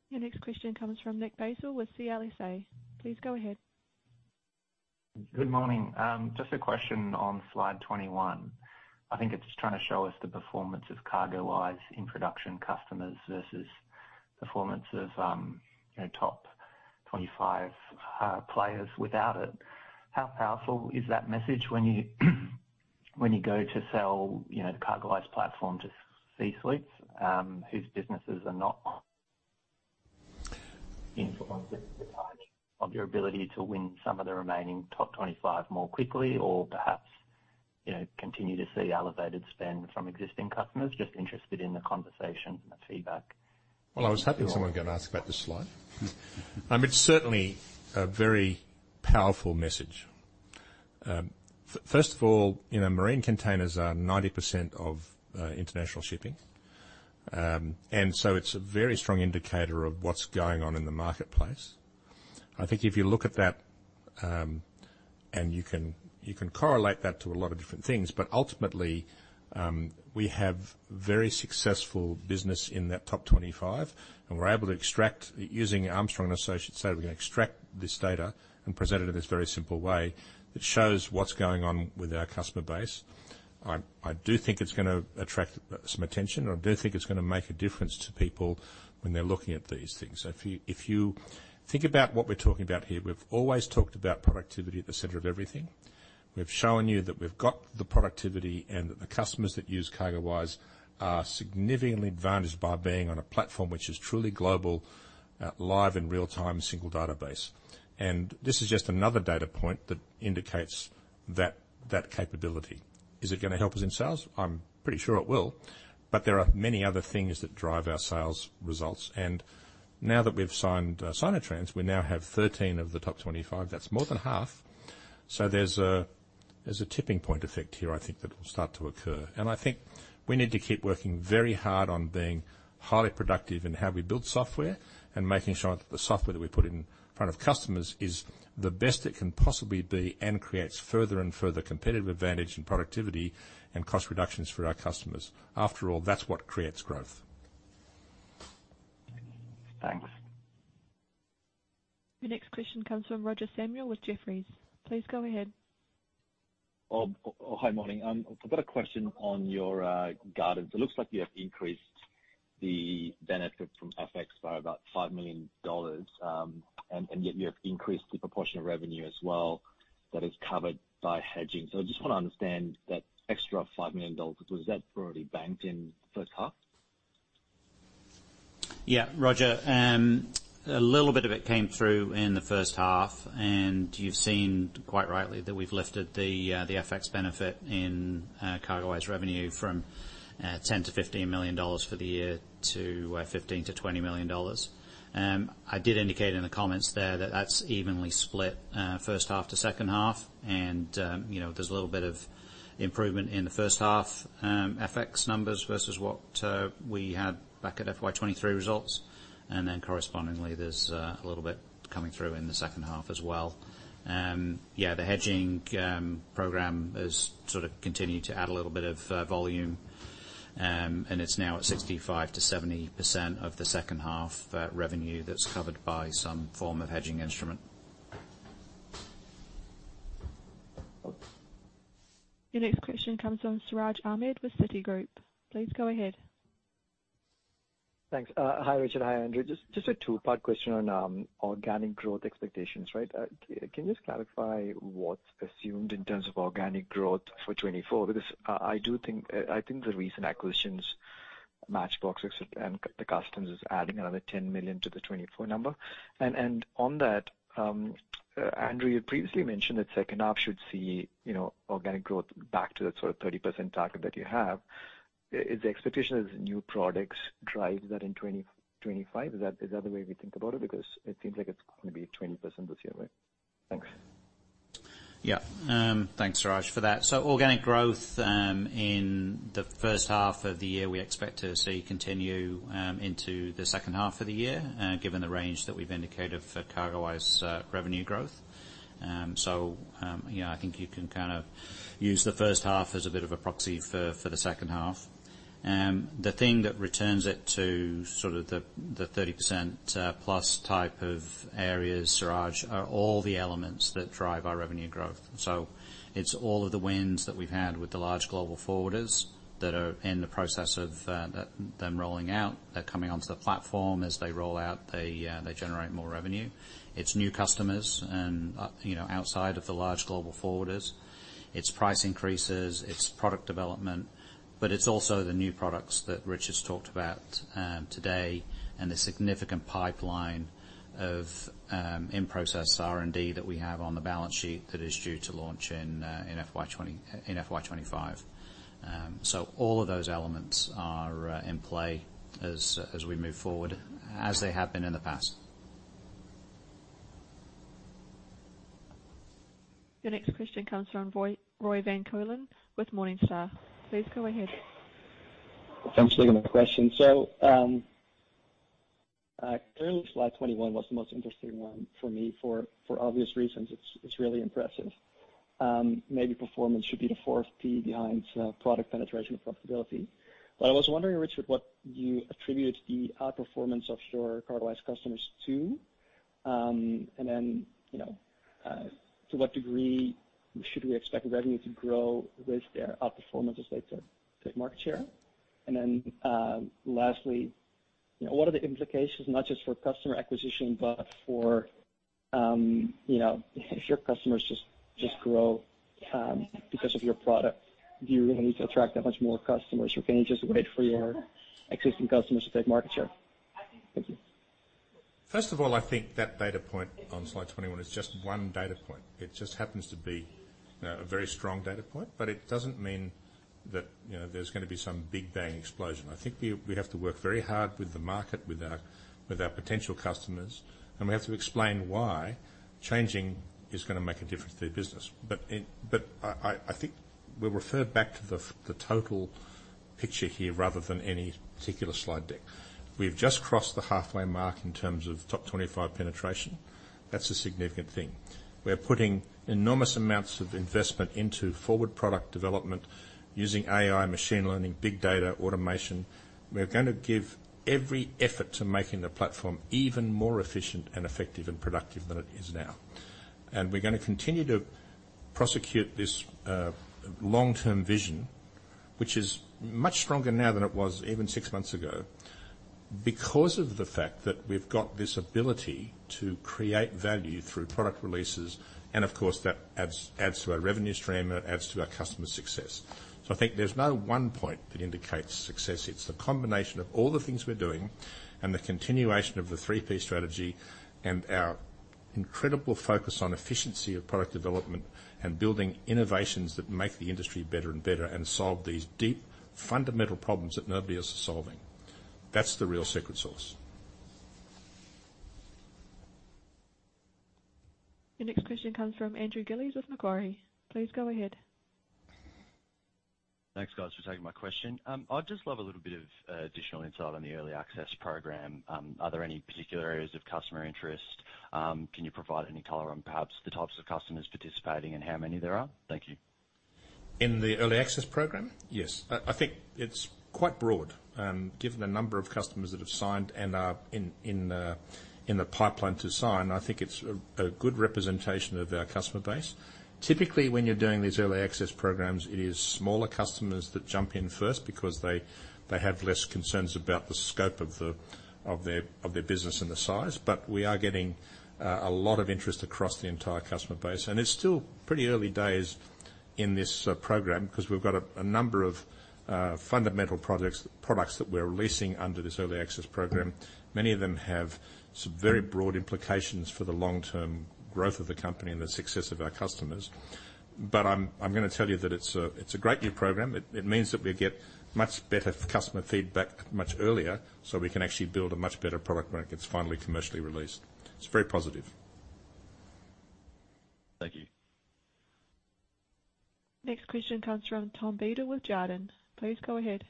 Your next question comes from Nick Basile with CLSA. Please go ahead. Good morning. Just a question on slide 21. I think it's trying to show us the performance of CargoWise in production customers versus performance of, you know, top 25 players without it. How powerful is that message when you, when you go to sell, you know, the CargoWise platform to C-suites, whose businesses are not influenced of your ability to win some of the remaining top 25 more quickly, or perhaps, you know, continue to see elevated spend from existing customers? Just interested in the conversation and the feedback. Well, I was hoping someone was gonna ask about this slide. It's certainly a very powerful message. First of all, you know, marine containers are 90% of international shipping. And so it's a very strong indicator of what's going on in the marketplace. I think if you look at that, and you can correlate that to a lot of different things, but ultimately, we have very successful business in that top 25, and we're able to extract... Using Armstrong & Associates, so we can extract this data and present it in this very simple way that shows what's going on with our customer base. I do think it's gonna attract some attention, and I do think it's gonna make a difference to people when they're looking at these things. So if you, if you think about what we're talking about here, we've always talked about productivity at the center of everything. We've shown you that we've got the productivity, and that the customers that use CargoWise are significantly advantaged by being on a platform which is truly global, live in real time, single database. And this is just another data point that indicates that, that capability. Is it gonna help us in sales? I'm pretty sure it will, but there are many other things that drive our sales results. And now that we've signed, Sinotrans, we now have 13 of the top 25. That's more than half. So there's a, there's a tipping point effect here, I think, that will start to occur. I think we need to keep working very hard on being highly productive in how we build software and making sure that the software that we put in front of customers is the best it can possibly be and creates further and further competitive advantage and productivity and cost reductions for our customers. After all, that's what creates growth. Thanks. The next question comes from Roger Samuel with Jefferies. Please go ahead. Hi, morning. I've got a question on your guidance. It looks like you have increased the benefit from FX by about 5 million dollars, and yet you have increased the proportion of revenue as well that is covered by hedging. So I just want to understand that extra 5 million dollars, was that already banked in the first half? ... Yeah, Roger, a little bit of it came through in the first half, and you've seen, quite rightly, that we've lifted the FX benefit in CargoWise revenue from 10 million-15 million dollars for the year to 15 million-20 million dollars. I did indicate in the comments there that that's evenly split first half to second half. And you know, there's a little bit of improvement in the first half FX numbers versus what we had back at FY 2023 results. And then correspondingly, there's a little bit coming through in the second half as well. Yeah, the hedging program has sort of continued to add a little bit of volume, and it's now at 65%-70% of the second half revenue that's covered by some form of hedging instrument. Your next question comes from Siraj Ahmed with Citigroup. Please go ahead. Thanks. Hi, Richard. Hi, Andrew. Just a two-part question on organic growth expectations, right? Can you just clarify what's assumed in terms of organic growth for 2024? Because I do think the recent acquisitions, MatchBox and Systemas, is adding another 10 million to the 2024 number. And on that, Andrew, you previously mentioned that second half should see, you know, organic growth back to that sort of 30% target that you have. Is the expectation as new products drive that in 2025? Is that the way we think about it? Because it seems like it's gonna be 20% this year, right? Thanks. Yeah. Thanks, Siraj, for that. So organic growth in the first half of the year, we expect to see continue into the second half of the year, given the range that we've indicated for CargoWise revenue growth. So, yeah, I think you can kind of use the first half as a bit of a proxy for the second half. The thing that returns it to sort of the 30% plus type of areas, Siraj, are all the elements that drive our revenue growth. So it's all of the wins that we've had with the large global forwarders that are in the process of them rolling out. They're coming onto the platform. As they roll out, they generate more revenue. It's new customers, and, you know, outside of the large global forwarders, it's price increases, it's product development, but it's also the new products that Rich has talked about today, and the significant pipeline of in-process R&D that we have on the balance sheet that is due to launch in FY2025. So all of those elements are in play as we move forward, as they have been in the past. The next question comes from Roy, Roy van Keulen with Morningstar. Please go ahead. Thanks for taking my question. Clearly, slide 21 was the most interesting one for me, for obvious reasons. It's really impressive. Maybe performance should be the fourth P behind product penetration and profitability. But I was wondering, Richard, what you attribute the outperformance of your CargoWise customers to, and then, you know, to what degree should we expect revenue to grow with their outperformance as they take market share? And then, lastly, you know, what are the implications, not just for customer acquisition, but for, you know, if your customers just grow because of your product, do you really need to attract that much more customers, or can you just wait for your existing customers to take market share? Thank you. First of all, I think that data point on slide 21 is just one data point. It just happens to be a very strong data point, but it doesn't mean that, you know, there's gonna be some big bang explosion. I think we have to work very hard with the market, with our potential customers, and we have to explain why changing is gonna make a difference to their business. But I think we'll refer back to the total picture here rather than any particular slide deck. We've just crossed the halfway mark in terms of top 25 penetration. That's a significant thing. We're putting enormous amounts of investment into forward product development using AI, machine learning, big data, automation. We're gonna give every effort to making the platform even more efficient and effective and productive than it is now. And we're gonna continue to prosecute this long-term vision, which is much stronger now than it was even six months ago, because of the fact that we've got this ability to create value through product releases, and of course, that adds to our revenue stream, and it adds to our customer success. So I think there's no one point that indicates success. It's the combination of all the things we're doing and the continuation of the 3P Strategy and our incredible focus on efficiency of product development and building innovations that make the industry better and better, and solve these deep, fundamental problems that nobody else is solving. That's the real secret sauce. The next question comes from Andrew Gillies with Macquarie. Please go ahead. Thanks, guys, for taking my question. I'd just love a little bit of additional insight on the early access program. Are there any particular areas of customer interest? Can you provide any color on perhaps the types of customers participating and how many there are? Thank you. In the early access program? Yes. I think it's quite broad. Given the number of customers that have signed and are in the pipeline to sign, I think it's a good representation of our customer base. Typically, when you're doing these early access programs, it is smaller customers that jump in first because they have less concerns about the scope of their business and the size. But we are getting a lot of interest across the entire customer base, and it's still pretty early days in this program, because we've got a number of fundamental projects, products that we're releasing under this early access program. Many of them have some very broad implications for the long-term growth of the company and the success of our customers. But I'm gonna tell you that it's a great new program. It means that we get much better customer feedback much earlier, so we can actually build a much better product when it gets finally commercially released. It's very positive. Thank you. Next question comes from Tom Beadle with Jarden. Please go ahead.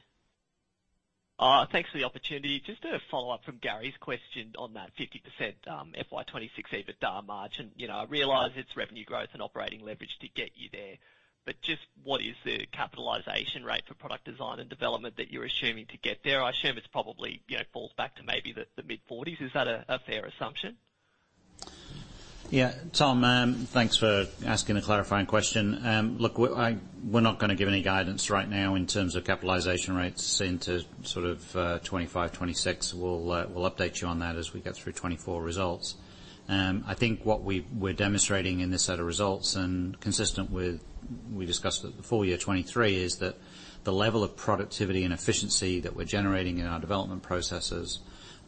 Thanks for the opportunity. Just a follow-up from Gary's question on that 50%, FY2026 EBITDA margin. You know, I realize it's revenue growth and operating leverage to get you there, but just what is the capitalization rate for product design and development that you're assuming to get there? I assume it's probably, you know, falls back to maybe the mid-40s. Is that a fair assumption? Yeah. Tom, thanks for asking a clarifying question. Look, we're. We're not gonna give any guidance right now in terms of capitalization rates into sort of 2025, 2026. We'll, we'll update you on that as we get through 2024 results. I think what we're demonstrating in this set of results, and consistent with we discussed at the full year 2023, is that the level of productivity and efficiency that we're generating in our development processes,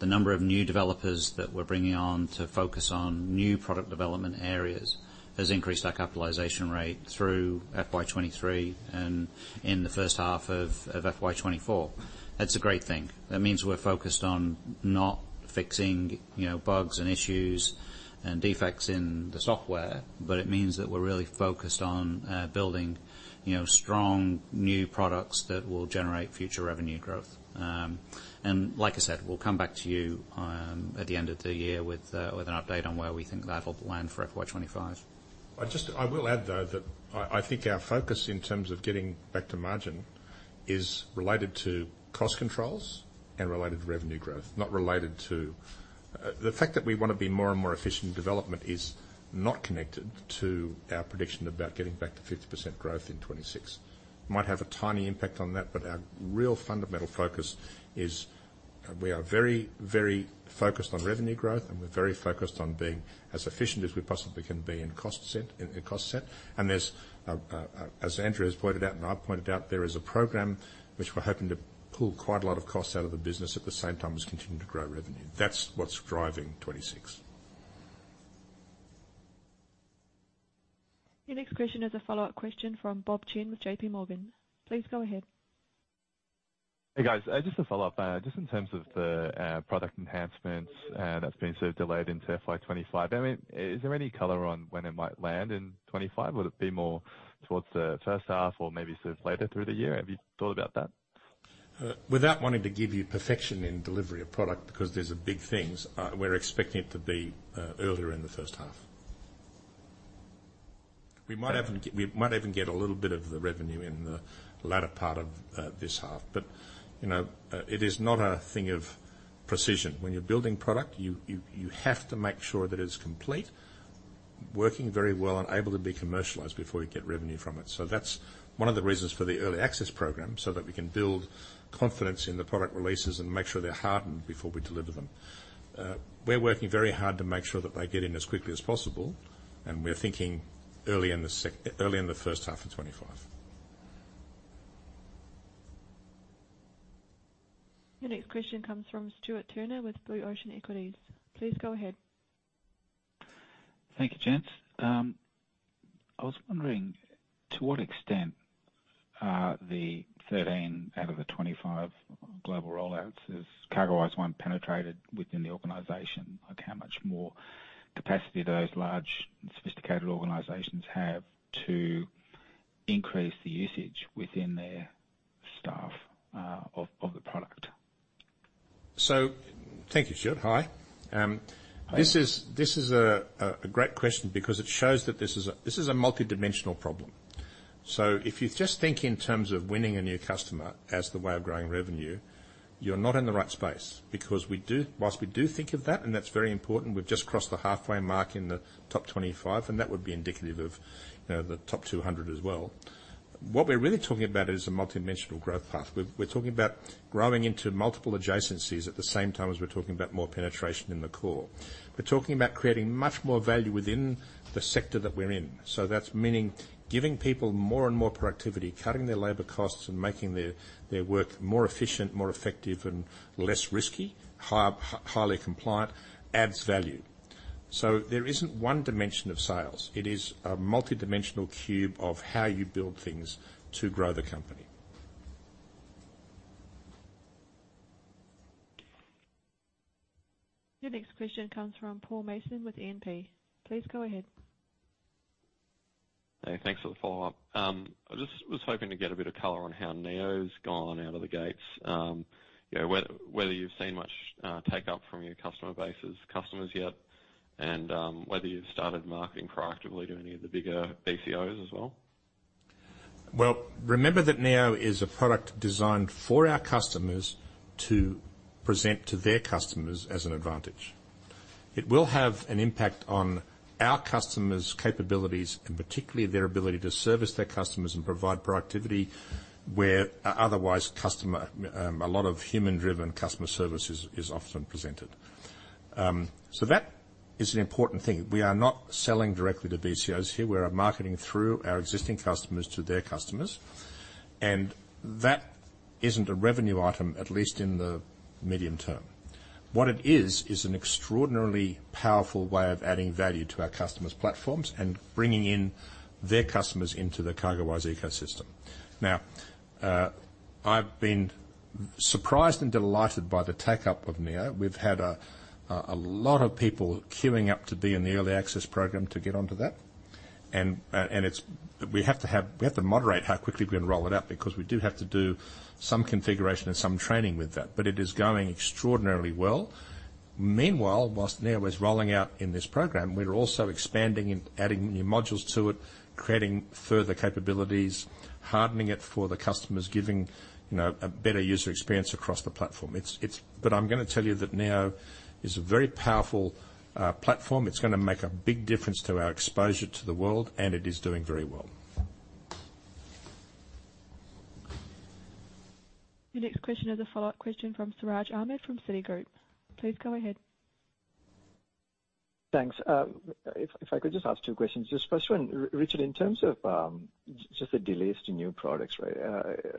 the number of new developers that we're bringing on to focus on new product development areas, has increased our capitalization rate through FY2023 and in the first half of FY2024. That's a great thing. That means we're focused on not fixing, you know, bugs and issues and defects in the software, but it means that we're really focused on building, you know, strong new products that will generate future revenue growth. And like I said, we'll come back to you at the end of the year with an update on where we think that'll land for FY2025. I just, I will add, though, that I think our focus in terms of getting back to margin is related to cost controls and related to revenue growth, not related to... the fact that we want to be more and more efficient in development is not connected to our prediction about getting back to 50% growth in 2026. Might have a tiny impact on that, but our real fundamental focus is we are very, very focused on revenue growth, and we're very focused on being as efficient as we possibly can be in cost set, in cost set. And there's, as Andrew has pointed out, and I've pointed out, there is a program which we're hoping to pull quite a lot of costs out of the business at the same time as continuing to grow revenue. That's what's driving 2026. Your next question is a follow-up question from Bob Chen with JP Morgan. Please go ahead. Hey, guys. Just a follow-up. Just in terms of the product enhancements, that's been sort of delayed into FY2025. I mean, is there any color on when it might land in 2025? Would it be more towards the first half or maybe sort of later through the year? Have you thought about that? Without wanting to give you perfection in delivery of product, because these are big things, we're expecting it to be earlier in the first half. We might even get a little bit of the revenue in the latter part of this half, but you know, it is not a thing of precision. When you're building product, you have to make sure that it's complete, working very well and able to be commercialized before you get revenue from it. So that's one of the reasons for the early access program, so that we can build confidence in the product releases and make sure they're hardened before we deliver them. We're working very hard to make sure that they get in as quickly as possible, and we're thinking early in the first half of 2025. The next question comes from Stuart Turner with Blue Ocean Equities. Please go ahead. Thank you, gents. I was wondering, to what extent are the 13 out of the 25 global rollouts of CargoWise penetrated within the organization? Like, how much more capacity do those large and sophisticated organizations have to increase the usage within their staff of the product? Thank you, Stuart. Hi. Hi. This is a great question because it shows that this is a multidimensional problem. So if you just think in terms of winning a new customer as the way of growing revenue, you're not in the right space because we do, whilst we do think of that, and that's very important, we've just crossed the halfway mark in the top 25, and that would be indicative of, you know, the top 200 as well. What we're really talking about is a multidimensional growth path. We're talking about growing into multiple adjacencies at the same time as we're talking about more penetration in the core. We're talking about creating much more value within the sector that we're in. So that's meaning giving people more and more productivity, cutting their labor costs, and making their work more efficient, more effective and less risky, highly compliant, adds value. So there isn't one dimension of sales. It is a multidimensional cube of how you build things to grow the company. The next question comes from Paul Mason with E&P. Please go ahead. Hey, thanks for the follow-up. I just was hoping to get a bit of color on how Neo's gone out of the gates. You know, whether you've seen much take-up from your customer base's customers yet, and whether you've started marketing proactively to any of the bigger BCOs as well? Well, remember that Neo is a product designed for our customers to present to their customers as an advantage. It will have an impact on our customers' capabilities, and particularly their ability to service their customers and provide productivity, where otherwise customer, a lot of human-driven customer service is often presented. It's an important thing. We are not selling directly to BCOs here. We are marketing through our existing customers to their customers, and that isn't a revenue item, at least in the medium term. What it is, is an extraordinarily powerful way of adding value to our customers' platforms and bringing in their customers into the CargoWise ecosystem. Now, I've been surprised and delighted by the take-up of Neo. We've had a lot of people queuing up to be in the early access program to get onto that. And we have to moderate how quickly we can roll it out, because we do have to do some configuration and some training with that, but it is going extraordinarily well. Meanwhile, while Neo is rolling out in this program, we're also expanding and adding new modules to it, creating further capabilities, hardening it for the customers, giving, you know, a better user experience across the platform. But I'm gonna tell you that Neo is a very powerful platform. It's gonna make a big difference to our exposure to the world, and it is doing very well. The next question is a follow-up question from Siraj Ahmed from Citigroup. Please go ahead. Thanks. If I could just ask two questions. Just first one, Richard, in terms of just the delays to new products, right?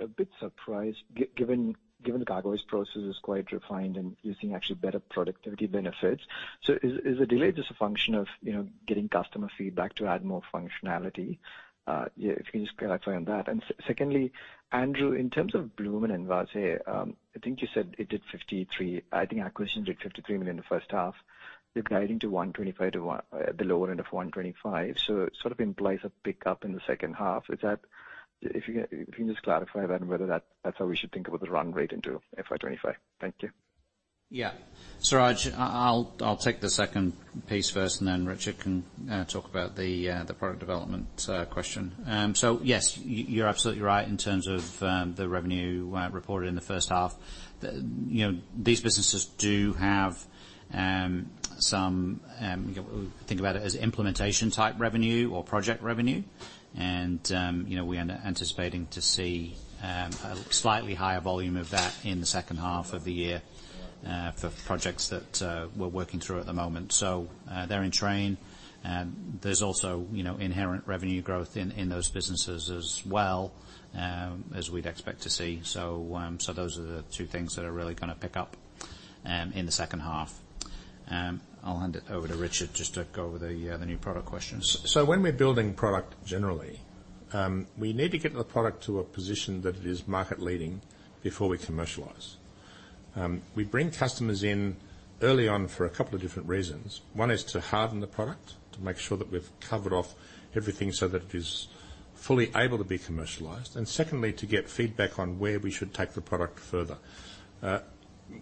A bit surprised, given the CargoWise process is quite refined and you're seeing actually better productivity benefits. So is the delay just a function of, you know, getting customer feedback to add more functionality? Yeah, if you can just clarify on that. And secondly, Andrew, in terms of Blume and Envase, I think you said it did 53 million... I think acquisitions did 53 million in the first half. You're guiding to 125-1, the lower end of 125. So it sort of implies a pickup in the second half. If you can just clarify that and whether that's how we should think about the run rate into FY2025. Thank you. Yeah. Siraj, I'll take the second piece first, and then Richard can talk about the product development question. So yes, you're absolutely right in terms of the revenue reported in the first half. You know, these businesses do have some, think about it as implementation-type revenue or project revenue. And, you know, we're anticipating to see a slightly higher volume of that in the second half of the year, for projects that we're working through at the moment. So, they're in train, and there's also, you know, inherent revenue growth in those businesses as well, as we'd expect to see. So, those are the two things that are really gonna pick up in the second half. I'll hand it over to Richard just to go over the, the new product questions. So when we're building product, generally, we need to get the product to a position that it is market-leading before we commercialize. We bring customers in early on for a couple of different reasons. One is to harden the product, to make sure that we've covered off everything so that it is fully able to be commercialized. And secondly, to get feedback on where we should take the product further.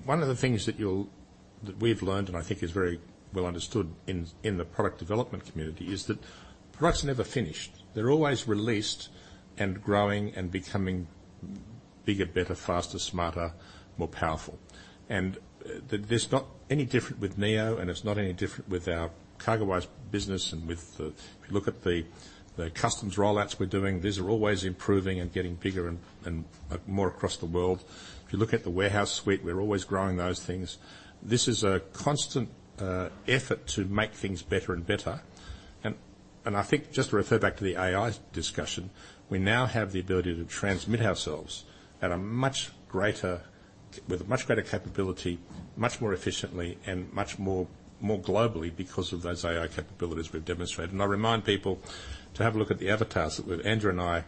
One of the things that we've learned, and I think is very well understood in the product development community, is that products are never finished. They're always released and growing and becoming bigger, better, faster, smarter, more powerful. And that there's not any different with Neo, and it's not any different with our CargoWise business and with the...If you look at the customs rollouts we're doing, these are always improving and getting bigger and more across the world. If you look at the warehouse suite, we're always growing those things. This is a constant effort to make things better and better. And I think just to refer back to the AI discussion, we now have the ability to transmit ourselves at a much greater, with a much greater capability, much more efficiently and much more globally because of those AI capabilities we've demonstrated. And I remind people to have a look at the avatars that Andrew and I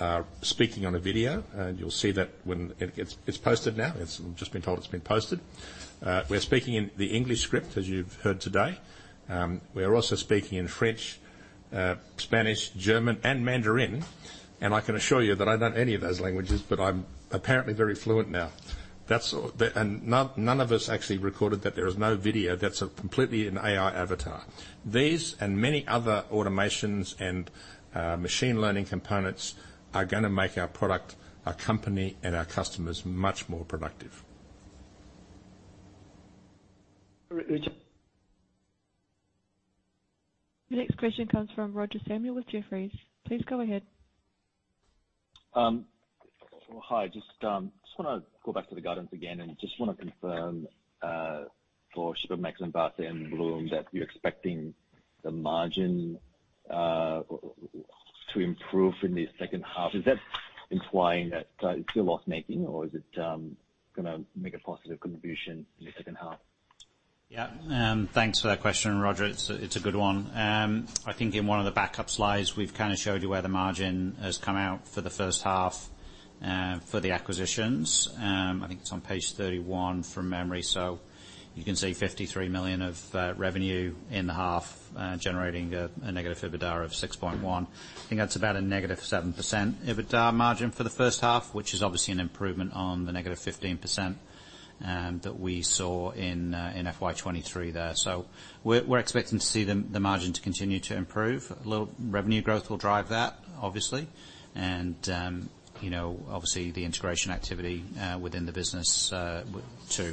are speaking on a video, and you'll see that when it gets... It's posted now. It's just been told it's been posted. We're speaking in the English script, as you've heard today. We are also speaking in French, Spanish, German, and Mandarin, and I can assure you that I don't any of those languages, but I'm apparently very fluent now. That's all. None of us actually recorded that. There is no video. That's a completely an AI avatar. These and many other automations and machine learning components are gonna make our product, our company, and our customers much more productive. Rich- The next question comes from Roger Samuel with Jefferies. Please go ahead. Well, hi. Just wanna go back to the guidance again and just wanna confirm for Shipamax and Envase and Blume that you're expecting the margin to improve in the second half. Is that implying that it's still loss-making, or is it gonna make a positive contribution in the second half? Yeah. Thanks for that question, Roger. It's a, it's a good one. I think in one of the backup slides, we've kind of showed you where the margin has come out for the first half, for the acquisitions. I think it's on page 31 from memory, so you can see 53 million of revenue in the half, generating a negative EBITDA of 6.1. I think that's about a -7% EBITDA margin for the first half, which is obviously an improvement on the -15%, that we saw in FY2023 there. So we're, we're expecting to see the, the margin to continue to improve. A little revenue growth will drive that, obviously, and, you know, obviously, the integration activity, within the business, too.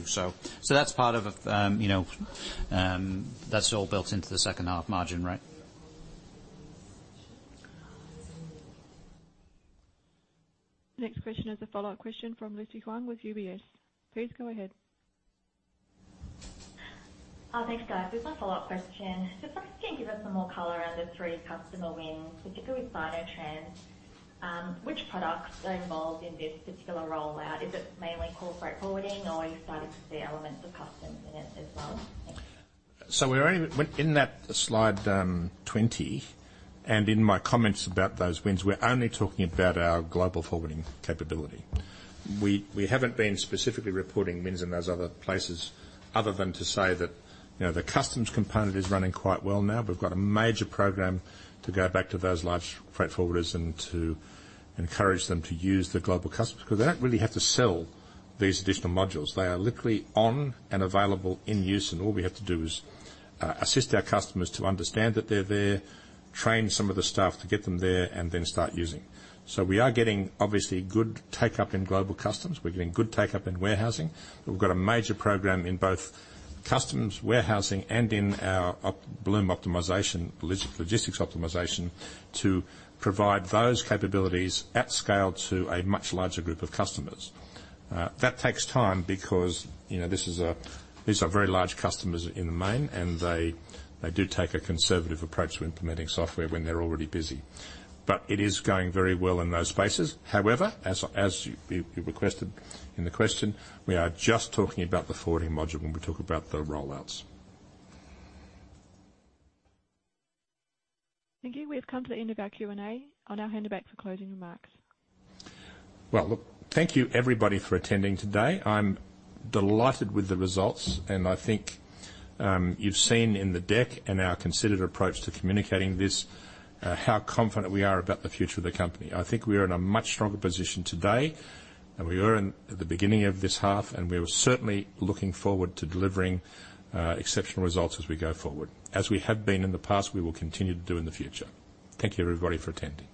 That's part of, you know, that's all built into the second half margin, right? Next question is a follow-up question from Lucy Huang with UBS. Please go ahead. Thanks, guys. This is my follow-up question. Just if you can give us some more color around the three customer wins, particularly Sinotrans. Which products are involved in this particular rollout? Is it mainly corporate forwarding, or are you starting to see elements of customs in it as well? Thanks. So we're only in that slide, 20, and in my comments about those wins, we're only talking about our global forwarding capability. We haven't been specifically reporting wins in those other places other than to say that, you know, the customs component is running quite well now. We've got a major program to go back to those large freight forwarders and to encourage them to use the Global Customs, because they don't really have to sell these additional modules. They are literally on and available in use, and all we have to do is assist our customers to understand that they're there, train some of the staff to get them there, and then start using. So we are getting obviously good take-up in Global Customs. We're getting good take-up in warehousing. We've got a major program in both customs, warehousing, and in our Blume optimization, logistics optimization, to provide those capabilities at scale to a much larger group of customers. That takes time because, you know, these are very large customers in the main, and they do take a conservative approach to implementing software when they're already busy. But it is going very well in those spaces. However, as you requested in the question, we are just talking about the forwarding module when we talk about the rollouts. Thank you. We have come to the end of our Q&A. I'll now hand it back for closing remarks. Well, look, thank you, everybody, for attending today. I'm delighted with the results, and I think, you've seen in the deck and our considered approach to communicating this, how confident we are about the future of the company. I think we are in a much stronger position today than we were in the beginning of this half, and we are certainly looking forward to delivering, exceptional results as we go forward. As we have been in the past, we will continue to do in the future. Thank you, everybody, for attending.